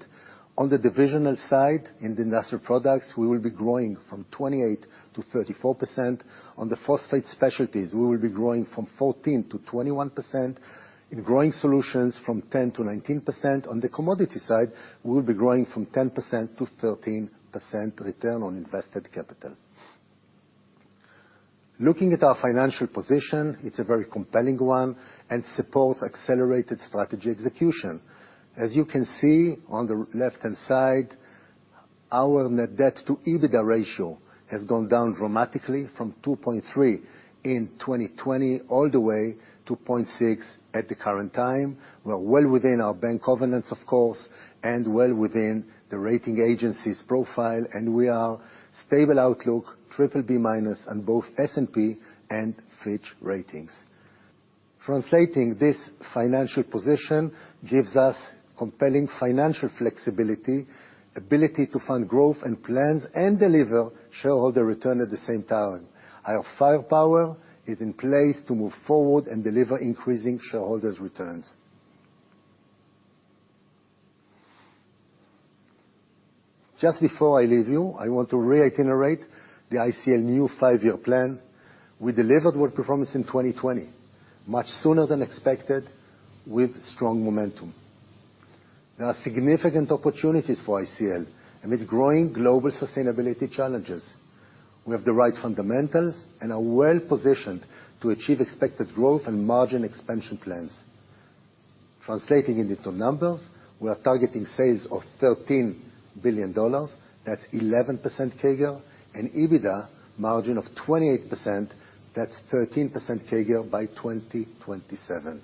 On the divisional side, in the Industrial Products, we will be growing from 28% to 34%. On the Phosphate Specialties, we will be growing from 14% to 21%. In Growing Solutions from 10% to 19%. On the commodity side, we will be growing from 10% to 13% return on invested capital. Looking at our financial position, it's a very compelling one and supports accelerated strategy execution. As you can see on the left-hand side, our net debt to EBITDA ratio has gone down dramatically from 2.3 in 2020 all the way to 0.6 at the current time. We're well within our bank covenants, of course, and well within the rating agency's profile, and we are stable outlook BBB- on both S&P and Fitch Ratings. Translating this financial position gives us compelling financial flexibility, ability to fund growth and plans, and deliver shareholder return at the same time. Our firepower is in place to move forward and deliver increasing shareholders' returns. Just before I leave you, I want to reiterate the ICL's new five-year plan. We delivered world-class performance in 2020, much sooner than expected, with strong momentum. There are significant opportunities for ICL amid growing global sustainability challenges. We have the right fundamentals and are well-positioned to achieve expected growth and margin expansion plans. Translating into numbers, we are targeting sales of $13 billion, that's 11% CAGR, an EBITDA margin of 28%, that's 13% CAGR by 2027.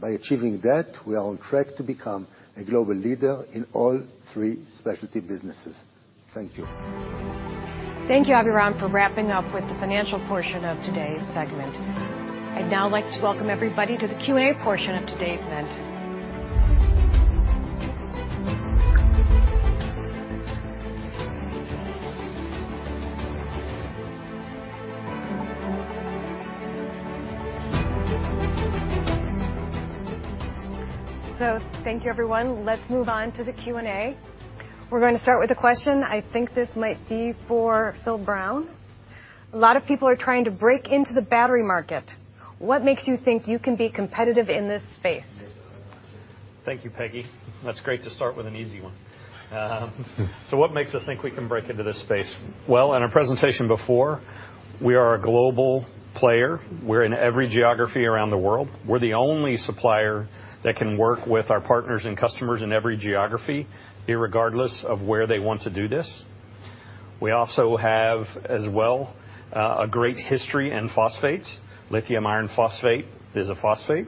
By achieving that, we are on track to become a global leader in all three specialty businesses. Thank you. Thank you, Aviram, for wrapping up with the financial portion of today's segment. I'd now like to welcome everybody to the QA portion of today's event. Thank you everyone. Let's move on to the Q&A. We're gonna start with a question. I think this might be for Phil Brown. A lot of people are trying to break into the battery market. What makes you think you can be competitive in this space? Thank you, Peggy. That's great to start with an easy one. What makes us think we can break into this space? Well, in our presentation before, we are a global player. We're in every geography around the world. We're the only supplier that can work with our partners and customers in every geography, irregardless of where they want to do this. We also have as well, a great history in phosphates. Lithium iron phosphate is a phosphate.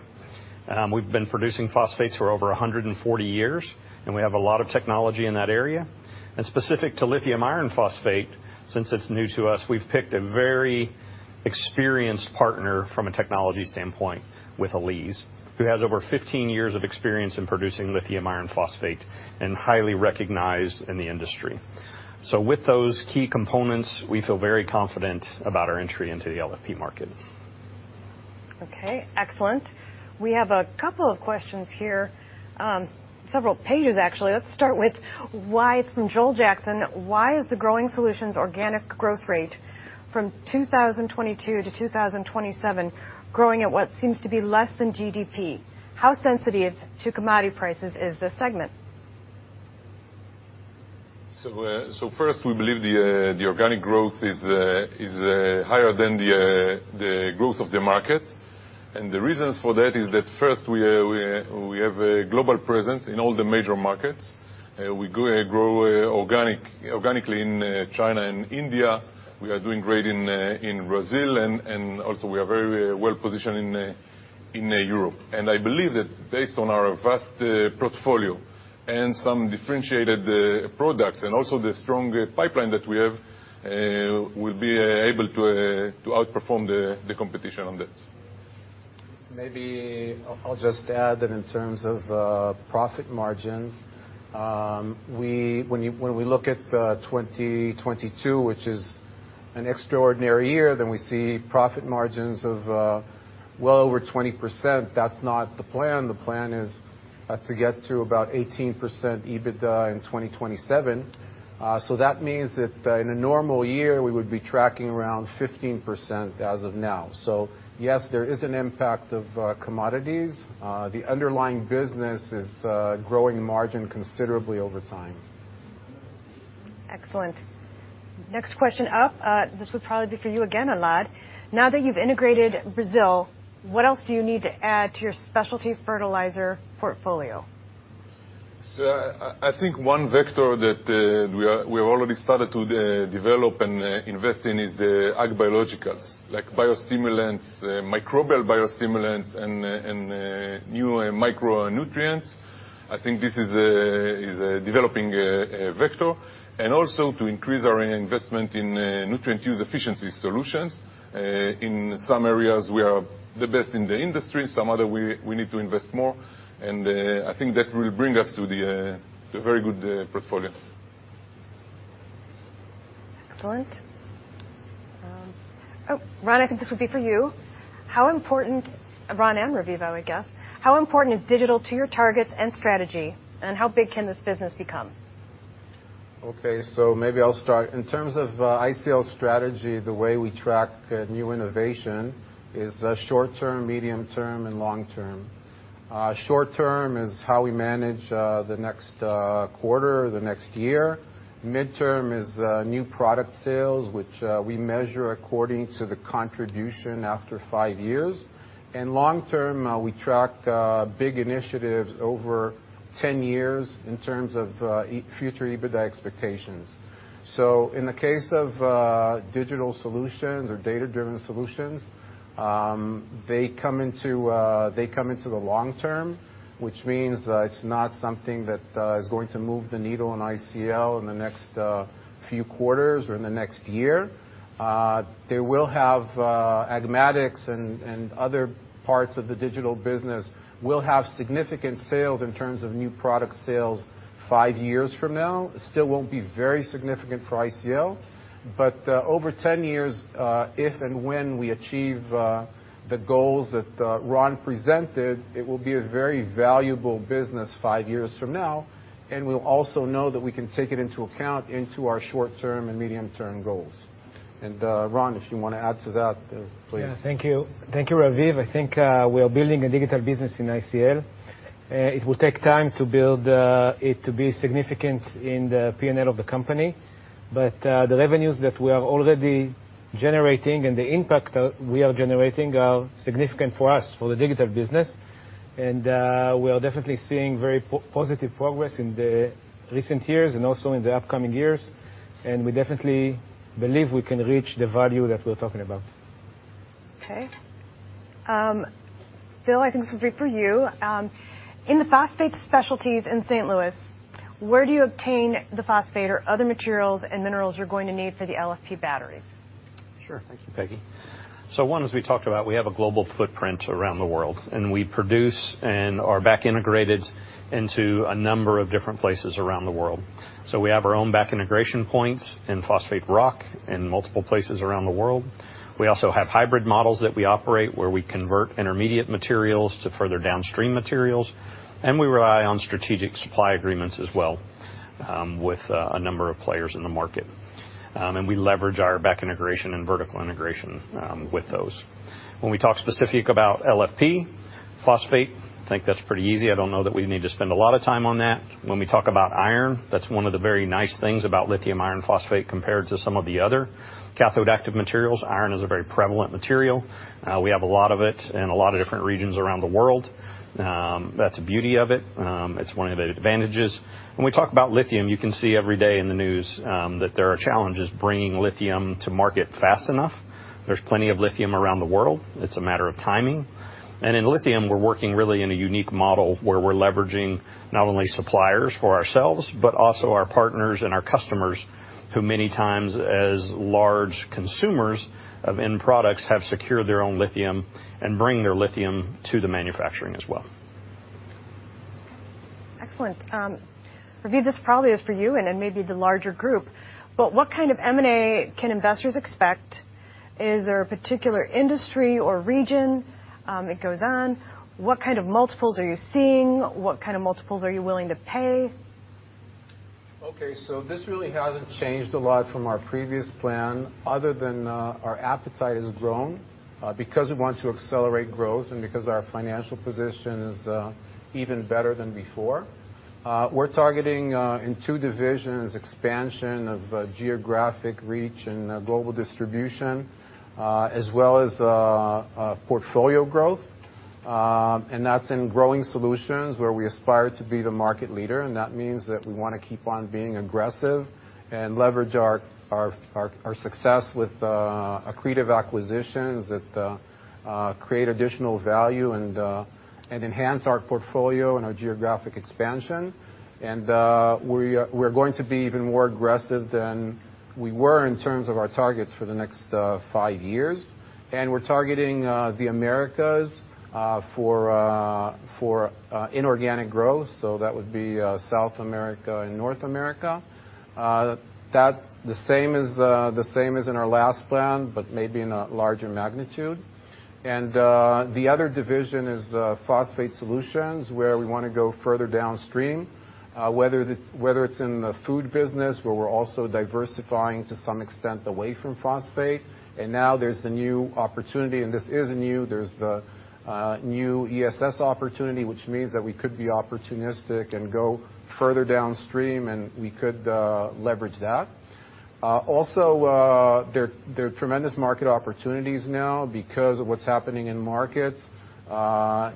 We've been producing phosphates for over 140 years, and we have a lot of technology in that area. Specific to lithium iron phosphate, since it's new to us, we've picked a very experienced partner from a technology standpoint with Aleees, who has over 15 years of experience in producing lithium iron phosphate and highly recognized in the industry. With those key components, we feel very confident about our entry into the LFP market. Okay, excellent. We have a couple of questions here, several pages actually. Let's start with why. It's from Joel Jackson. Why is the Growing Solutions organic growth rate from 2022 to 2027 growing at what seems to be less than GDP? How sensitive to commodity prices is this segment? First we believe the organic growth is higher than the growth of the market. The reasons for that is that first we have a global presence in all the major markets. We grow organically in China and India. We are doing great in Brazil and also we are very well positioned in Europe. I believe that based on our vast portfolio and some differentiated products and also the strong pipeline that we have, we'll be able to outperform the competition on that. Maybe I'll just add that in terms of profit margins, when we look at 2022, which is an extraordinary year, then we see profit margins of well over 20%. That's not the plan. The plan is to get to about 18% EBITDA in 2027. That means that in a normal year, we would be tracking around 15% as of now. Yes, there is an impact of commodities. The underlying business is growing margin considerably over time. Excellent. Next question up, this would probably be for you again, Elad. Now that you've integrated Brazil, what else do you need to add to your specialty fertilizer portfolio? I think one vector that we've already started to develop and invest in is the ag biologicals, like biostimulants, microbial biostimulants, and new micronutrients. I think this is a developing vector. Also to increase our investment in nutrient use efficiency solutions. In some areas, we are the best in the industry, in some other we need to invest more. I think that will bring us to a very good portfolio. Excellent. Ron, I think this would be for you. How important, Ron and Raviv, I would guess. How important is digital to your targets and strategy, and how big can this business become? Okay, maybe I'll start. In terms of ICL's strategy, the way we track new innovation is short-term, medium-term, and long-term. Short-term is how we manage the next quarter or the next year. Mid-term is new product sales, which we measure according to the contribution after five years. Long-term, we track big initiatives over 10 years in terms of future EBITDA expectations. In the case of digital solutions or data-driven solutions, they come into the long term, which means that it's not something that is going to move the needle in ICL in the next few quarters or in the next year. They will have Agmatix and other parts of the digital business will have significant sales in terms of new product sales five years from now. Still won't be very significant for ICL, but over 10 years, if and when we achieve the goals that Ron presented, it will be a very valuable business five years from now, and we'll also know that we can take it into account into our short-term and medium-term goals. Ron, if you wanna add to that, please. Yeah. Thank you. Thank you, Raviv. I think we are building a digital business in ICL. It will take time to build it to be significant in the P&L of the company, but the revenues that we are already generating and the impact we are generating are significant for us, for the digital business. We are definitely seeing very positive progress in the recent years and also in the upcoming years. We definitely believe we can reach the value that we're talking about. Okay. Phil, I think this will be for you. In the Phosphate Specialties in St. Louis, where do you obtain the phosphate or other materials and minerals you're going to need for the LFP batteries? Sure. Thank you, Peggy. One, as we talked about, we have a global footprint around the world, and we produce and are back-integrated into a number of different places around the world. We have our own back-integration points in phosphate rock in multiple places around the world. We also have hybrid models that we operate, where we convert intermediate materials to further downstream materials. We rely on strategic supply agreements as well, with a number of players in the market. We leverage our back integration and vertical integration with those. When we talk specifically about LFP phosphate, I think that's pretty easy. I don't know that we need to spend a lot of time on that. When we talk about iron, that's one of the very nice things about lithium iron phosphate compared to some of the other cathode active materials. Iron is a very prevalent material. We have a lot of it in a lot of different regions around the world. That's the beauty of it. It's one of the advantages. When we talk about lithium, you can see every day in the news that there are challenges bringing lithium to market fast enough. There's plenty of lithium around the world. It's a matter of timing. In lithium, we're working really in a unique model where we're leveraging not only suppliers for ourselves, but also our partners and our customers, who many times as large consumers of end products have secured their own lithium and bring their lithium to the manufacturing as well. Excellent. Raviv, this probably is for you and then maybe the larger group, but what kind of M&A can investors expect? Is there a particular industry or region that goes on? What kind of multiples are you seeing? What kind of multiples are you willing to pay? Okay, this really hasn't changed a lot from our previous plan other than our appetite has grown because we want to accelerate growth and because our financial position is even better than before. We're targeting in two divisions expansion of geographic reach and global distribution as well as a portfolio growth. That's in Growing Solutions where we aspire to be the market leader, and that means that we wanna keep on being aggressive and leverage our success with accretive acquisitions that create additional value and enhance our portfolio and our geographic expansion. We're going to be even more aggressive than we were in terms of our targets for the next five years. We're targeting the Americas for inorganic growth, so that would be South America and North America. That's the same as in our last plan, but maybe in a larger magnitude. The other division is phosphate solutions, where we wanna go further downstream, whether it's in the food business, where we're also diversifying to some extent away from phosphate. Now there's the new opportunity, and this is new. There's the new ESS opportunity, which means that we could be opportunistic and go further downstream, and we could leverage that. Also, there are tremendous market opportunities now because of what's happening in markets.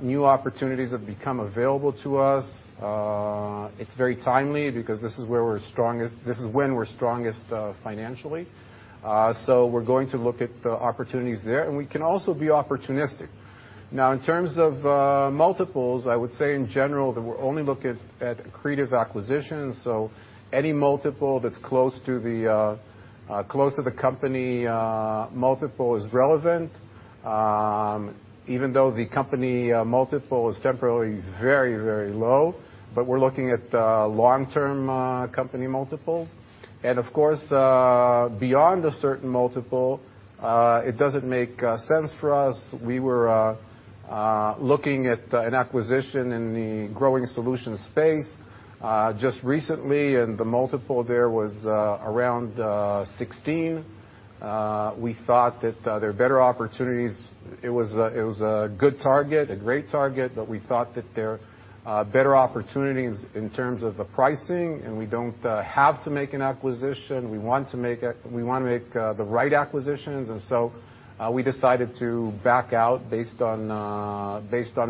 New opportunities have become available to us. It's very timely because this is where we're strongest. This is when we're strongest financially. We're going to look at the opportunities there, and we can also be opportunistic. Now, in terms of multiples, I would say in general that we're only looking at accretive acquisitions, so any multiple that's close to the company multiple is relevant. Even though the company multiple is temporarily very low, but we're looking at long-term company multiples. Of course, beyond a certain multiple, it doesn't make sense for us. We were looking at an acquisition in the Growing Solutions space just recently, and the multiple there was around 16x. We thought that there are better opportunities. It was a good target, a great target, but we thought that there are better opportunities in terms of the pricing, and we don't have to make an acquisition. We want to make the right acquisitions. We decided to back out based on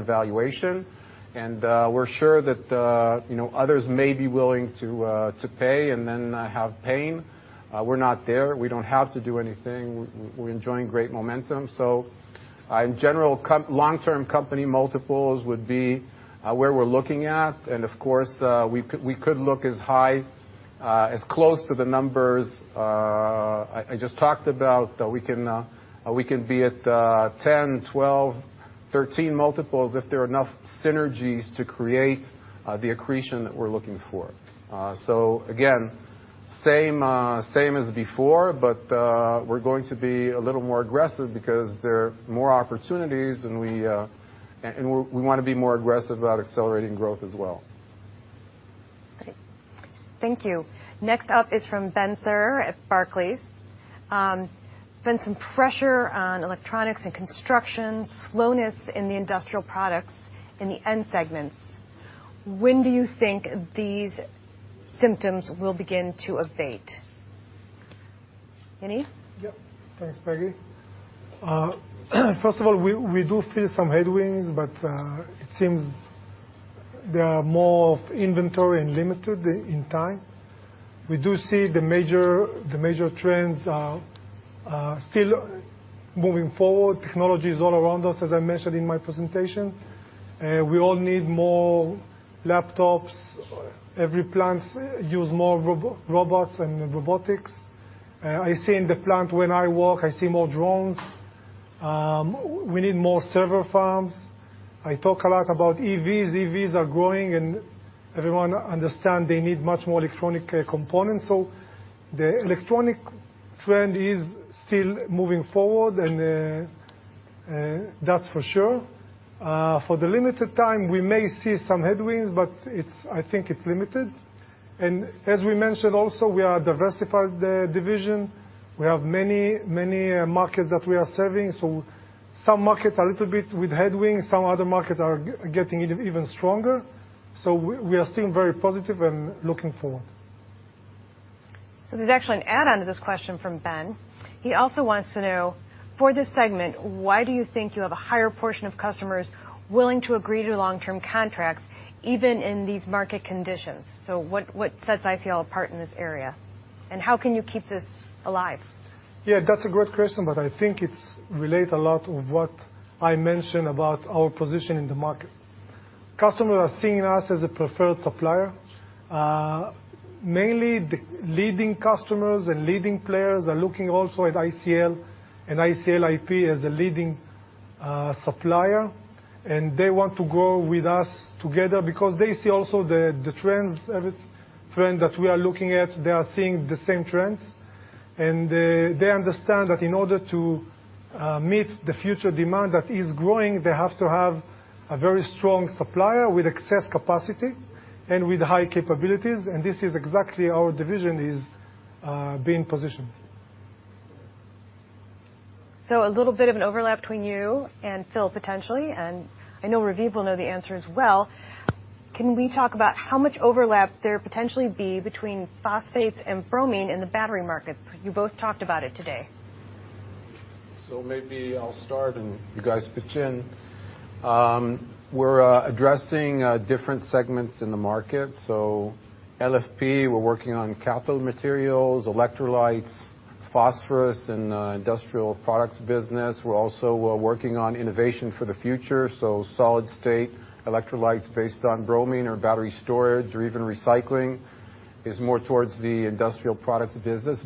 valuation. We're sure that you know others may be willing to pay and then have pain. We're not there. We don't have to do anything. We're enjoying great momentum. In general, long-term company multiples would be where we're looking at. Of course, we could look as high as close to the numbers I just talked about that we can be at 10x, 12x, 13x multiples if there are enough synergies to create the accretion that we're looking for. Again, same as before, but we're going to be a little more aggressive because there are more opportunities, and we're going to be more aggressive about accelerating growth as well. Great. Thank you. Next up is from Benjamin Theurer at Barclays. Been pressure on electronics and construction, slowness in the Industrial Products in the end segments. When do you think these symptoms will begin to abate? Any? Yeah. Thanks, Peggy. First of all, we do feel some headwinds, but it seems they are more of inventory and limited in time. We do see the major trends are still Moving forward, technology is all around us, as I mentioned in my presentation. We all need more laptops. Every plant uses more robots and robotics. I see in the plant when I walk, I see more drones. We need more server farms. I talk a lot about EVs. EVs are growing, and everyone understands they need much more electronic components. So the electronic trend is still moving forward, and that's for sure. For a limited time, we may see some headwinds, but I think it's limited. As we mentioned also, we are a diversified division. We have many markets that we are serving, so some markets are a little bit with headwinds, some other markets are getting even stronger. We are still very positive and looking forward. There's actually an add-on to this question from Ben. He also wants to know, for this segment, why do you think you have a higher portion of customers willing to agree to long-term contracts even in these market conditions? What sets ICL apart in this area, and how can you keep this alive? Yeah, that's a great question, but I think it relates a lot with what I mentioned about our position in the market. Customers are seeing us as a preferred supplier. Mainly the leading customers and leading players are looking also at ICL and ICL IP as a leading supplier, and they want to grow with us together because they see also the trends, every trend that we are looking at, they are seeing the same trends. They understand that in order to meet the future demand that is growing, they have to have a very strong supplier with excess capacity and with high capabilities, and this is exactly how our division is being positioned. A little bit of an overlap between you and Phil potentially, and I know Raviv will know the answer as well. Can we talk about how much overlap there potentially be between phosphates and bromine in the battery markets? You both talked about it today. Maybe I'll start and you guys pitch in. We're addressing different segments in the market, so LFP, we're working on cathode materials, electrolytes, phosphorus in Industrial Products business. We're also working on innovation for the future, so solid state electrolytes based on bromine or battery storage or even recycling is more towards the Industrial Products business.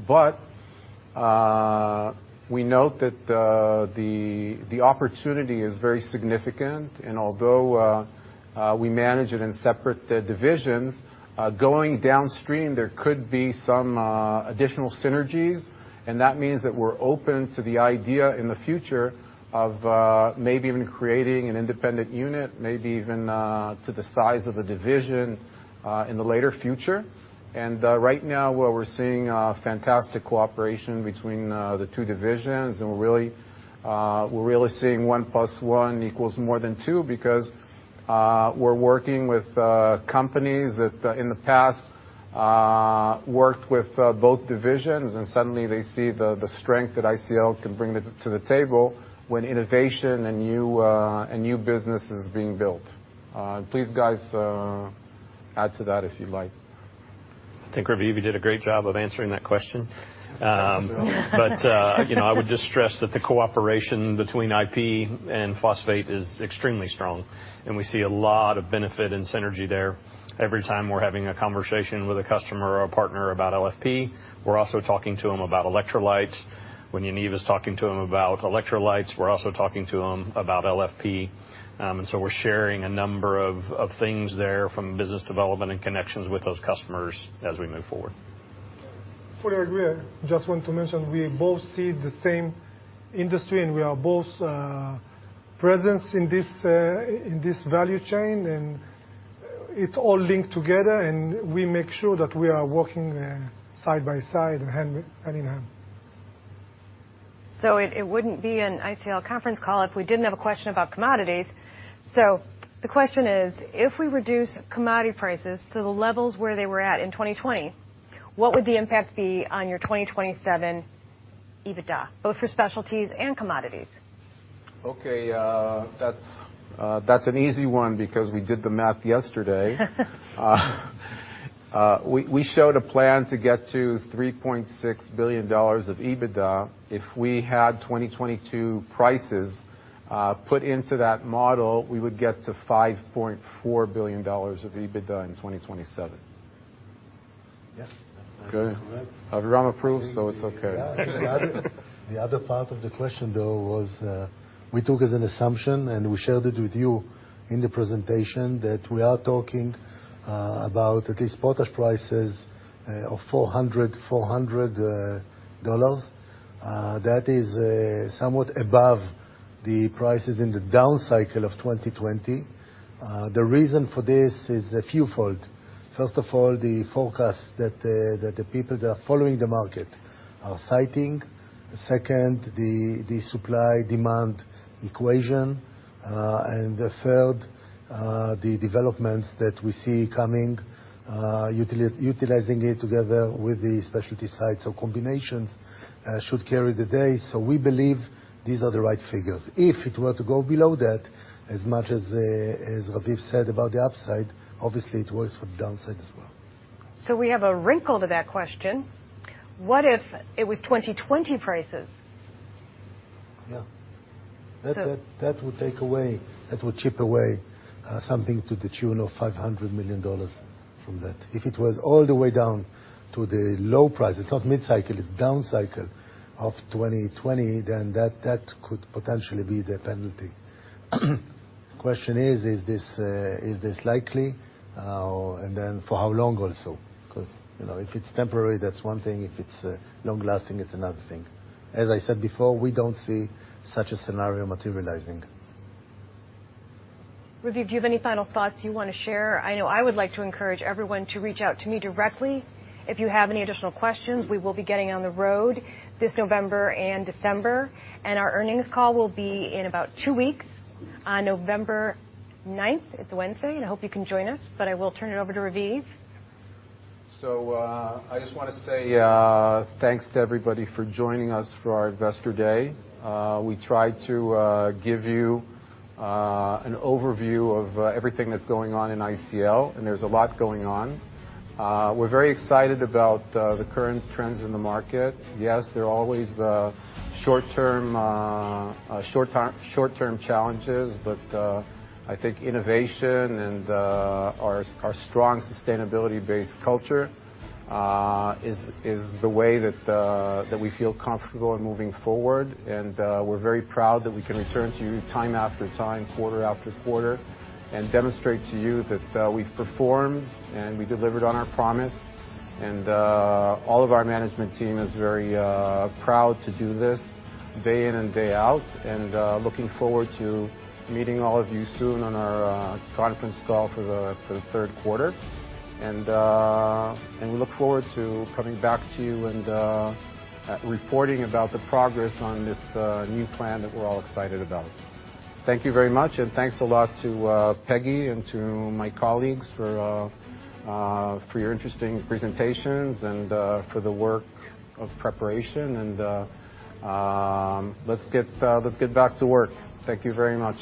We note that the opportunity is very significant. Although we manage it in separate divisions, going downstream, there could be some additional synergies, and that means that we're open to the idea in the future of maybe even creating an independent unit, maybe even to the size of a division in the later future. Right now what we're seeing fantastic cooperation between the two divisions, and we're really seeing one plus one equals more than two because we're working with companies that in the past worked with both divisions and suddenly they see the strength that ICL can bring to the table when innovation and new business is being built. Please, guys, add to that if you'd like. I think, Raviv, you did a great job of answering that question. Thanks, Phil. I would just stress that the cooperation between IP and phosphate is extremely strong, and we see a lot of benefit and synergy there. Every time we're having a conversation with a customer or a partner about LFP, we're also talking to them about electrolytes. When Yaniv is talking to them about electrolytes, we're also talking to them about LFP. We're sharing a number of things there from business development and connections with those customers as we move forward. Fully agree. I just want to mention we both see the same industry, and we are both present in this value chain, and it's all linked together and we make sure that we are working side by side and hand in hand. It wouldn't be an ICL conference call if we didn't have a question about commodities. The question is: If we reduce commodity prices to the levels where they were at in 2020, what would the impact be on your 2027 EBITDA, both for specialties and commodities? Okay. That's an easy one because we did the math yesterday. We showed a plan to get to $3.6 billion of EBITDA. If we had 2022 prices put into that model, we would get to $5.4 billion of EBITDA in 2027. Yes. Good. Aviram approves, so it's okay. The other part of the question, though, was, we took as an assumption, and we shared it with you in the presentation, that we are talking about at least potash prices of $400. That is somewhat above the prices in the down cycle of 2020. The reason for this is twofold. First of all, the forecast that the people that are following the market are citing. Second, the supply/demand equation. The third, the developments that we see coming, utilizing it together with the specialty side or combinations, should carry the day. We believe these are the right figures. If it were to go below that, as much as Raviv said about the upside, obviously it works for the downside as well. We have a wrinkle to that question. What if it was 2020 prices? Yeah. That would chip away, something to the tune of $500 million from that. If it was all the way down to the low price, it's not mid-cycle, it's down cycle of 2020, then that could potentially be the penalty. Question is this likely? For how long also? 'Cause, you know, if it's temporary, that's one thing. If it's long-lasting, it's another thing. As I said before, we don't see such a scenario materializing. Raviv, do you have any final thoughts you wanna share? I know I would like to encourage everyone to reach out to me directly if you have any additional questions. We will be getting on the road this November and December, and our earnings call will be in about two weeks on November ninth. It's a Wednesday, and I hope you can join us. I will turn it over to Raviv. I just wanna say thanks to everybody for joining us for our Investor Day. We try to give you an overview of everything that's going on in ICL, and there's a lot going on. We're very excited about the current trends in the market. Yes, there are always short-term challenges, but I think innovation and our strong sustainability-based culture is the way that we feel comfortable in moving forward. We're very proud that we can return to you time after time, quarter after quarter, and demonstrate to you that we've performed and we delivered on our promise. All of our management team is very proud to do this day in and day out. Looking forward to meeting all of you soon on our conference call for the third quarter. We look forward to coming back to you and reporting about the progress on this new plan that we're all excited about. Thank you very much, and thanks a lot to Peggy and to my colleagues for your interesting presentations and for the work of preparation. Let's get back to work. Thank you very much.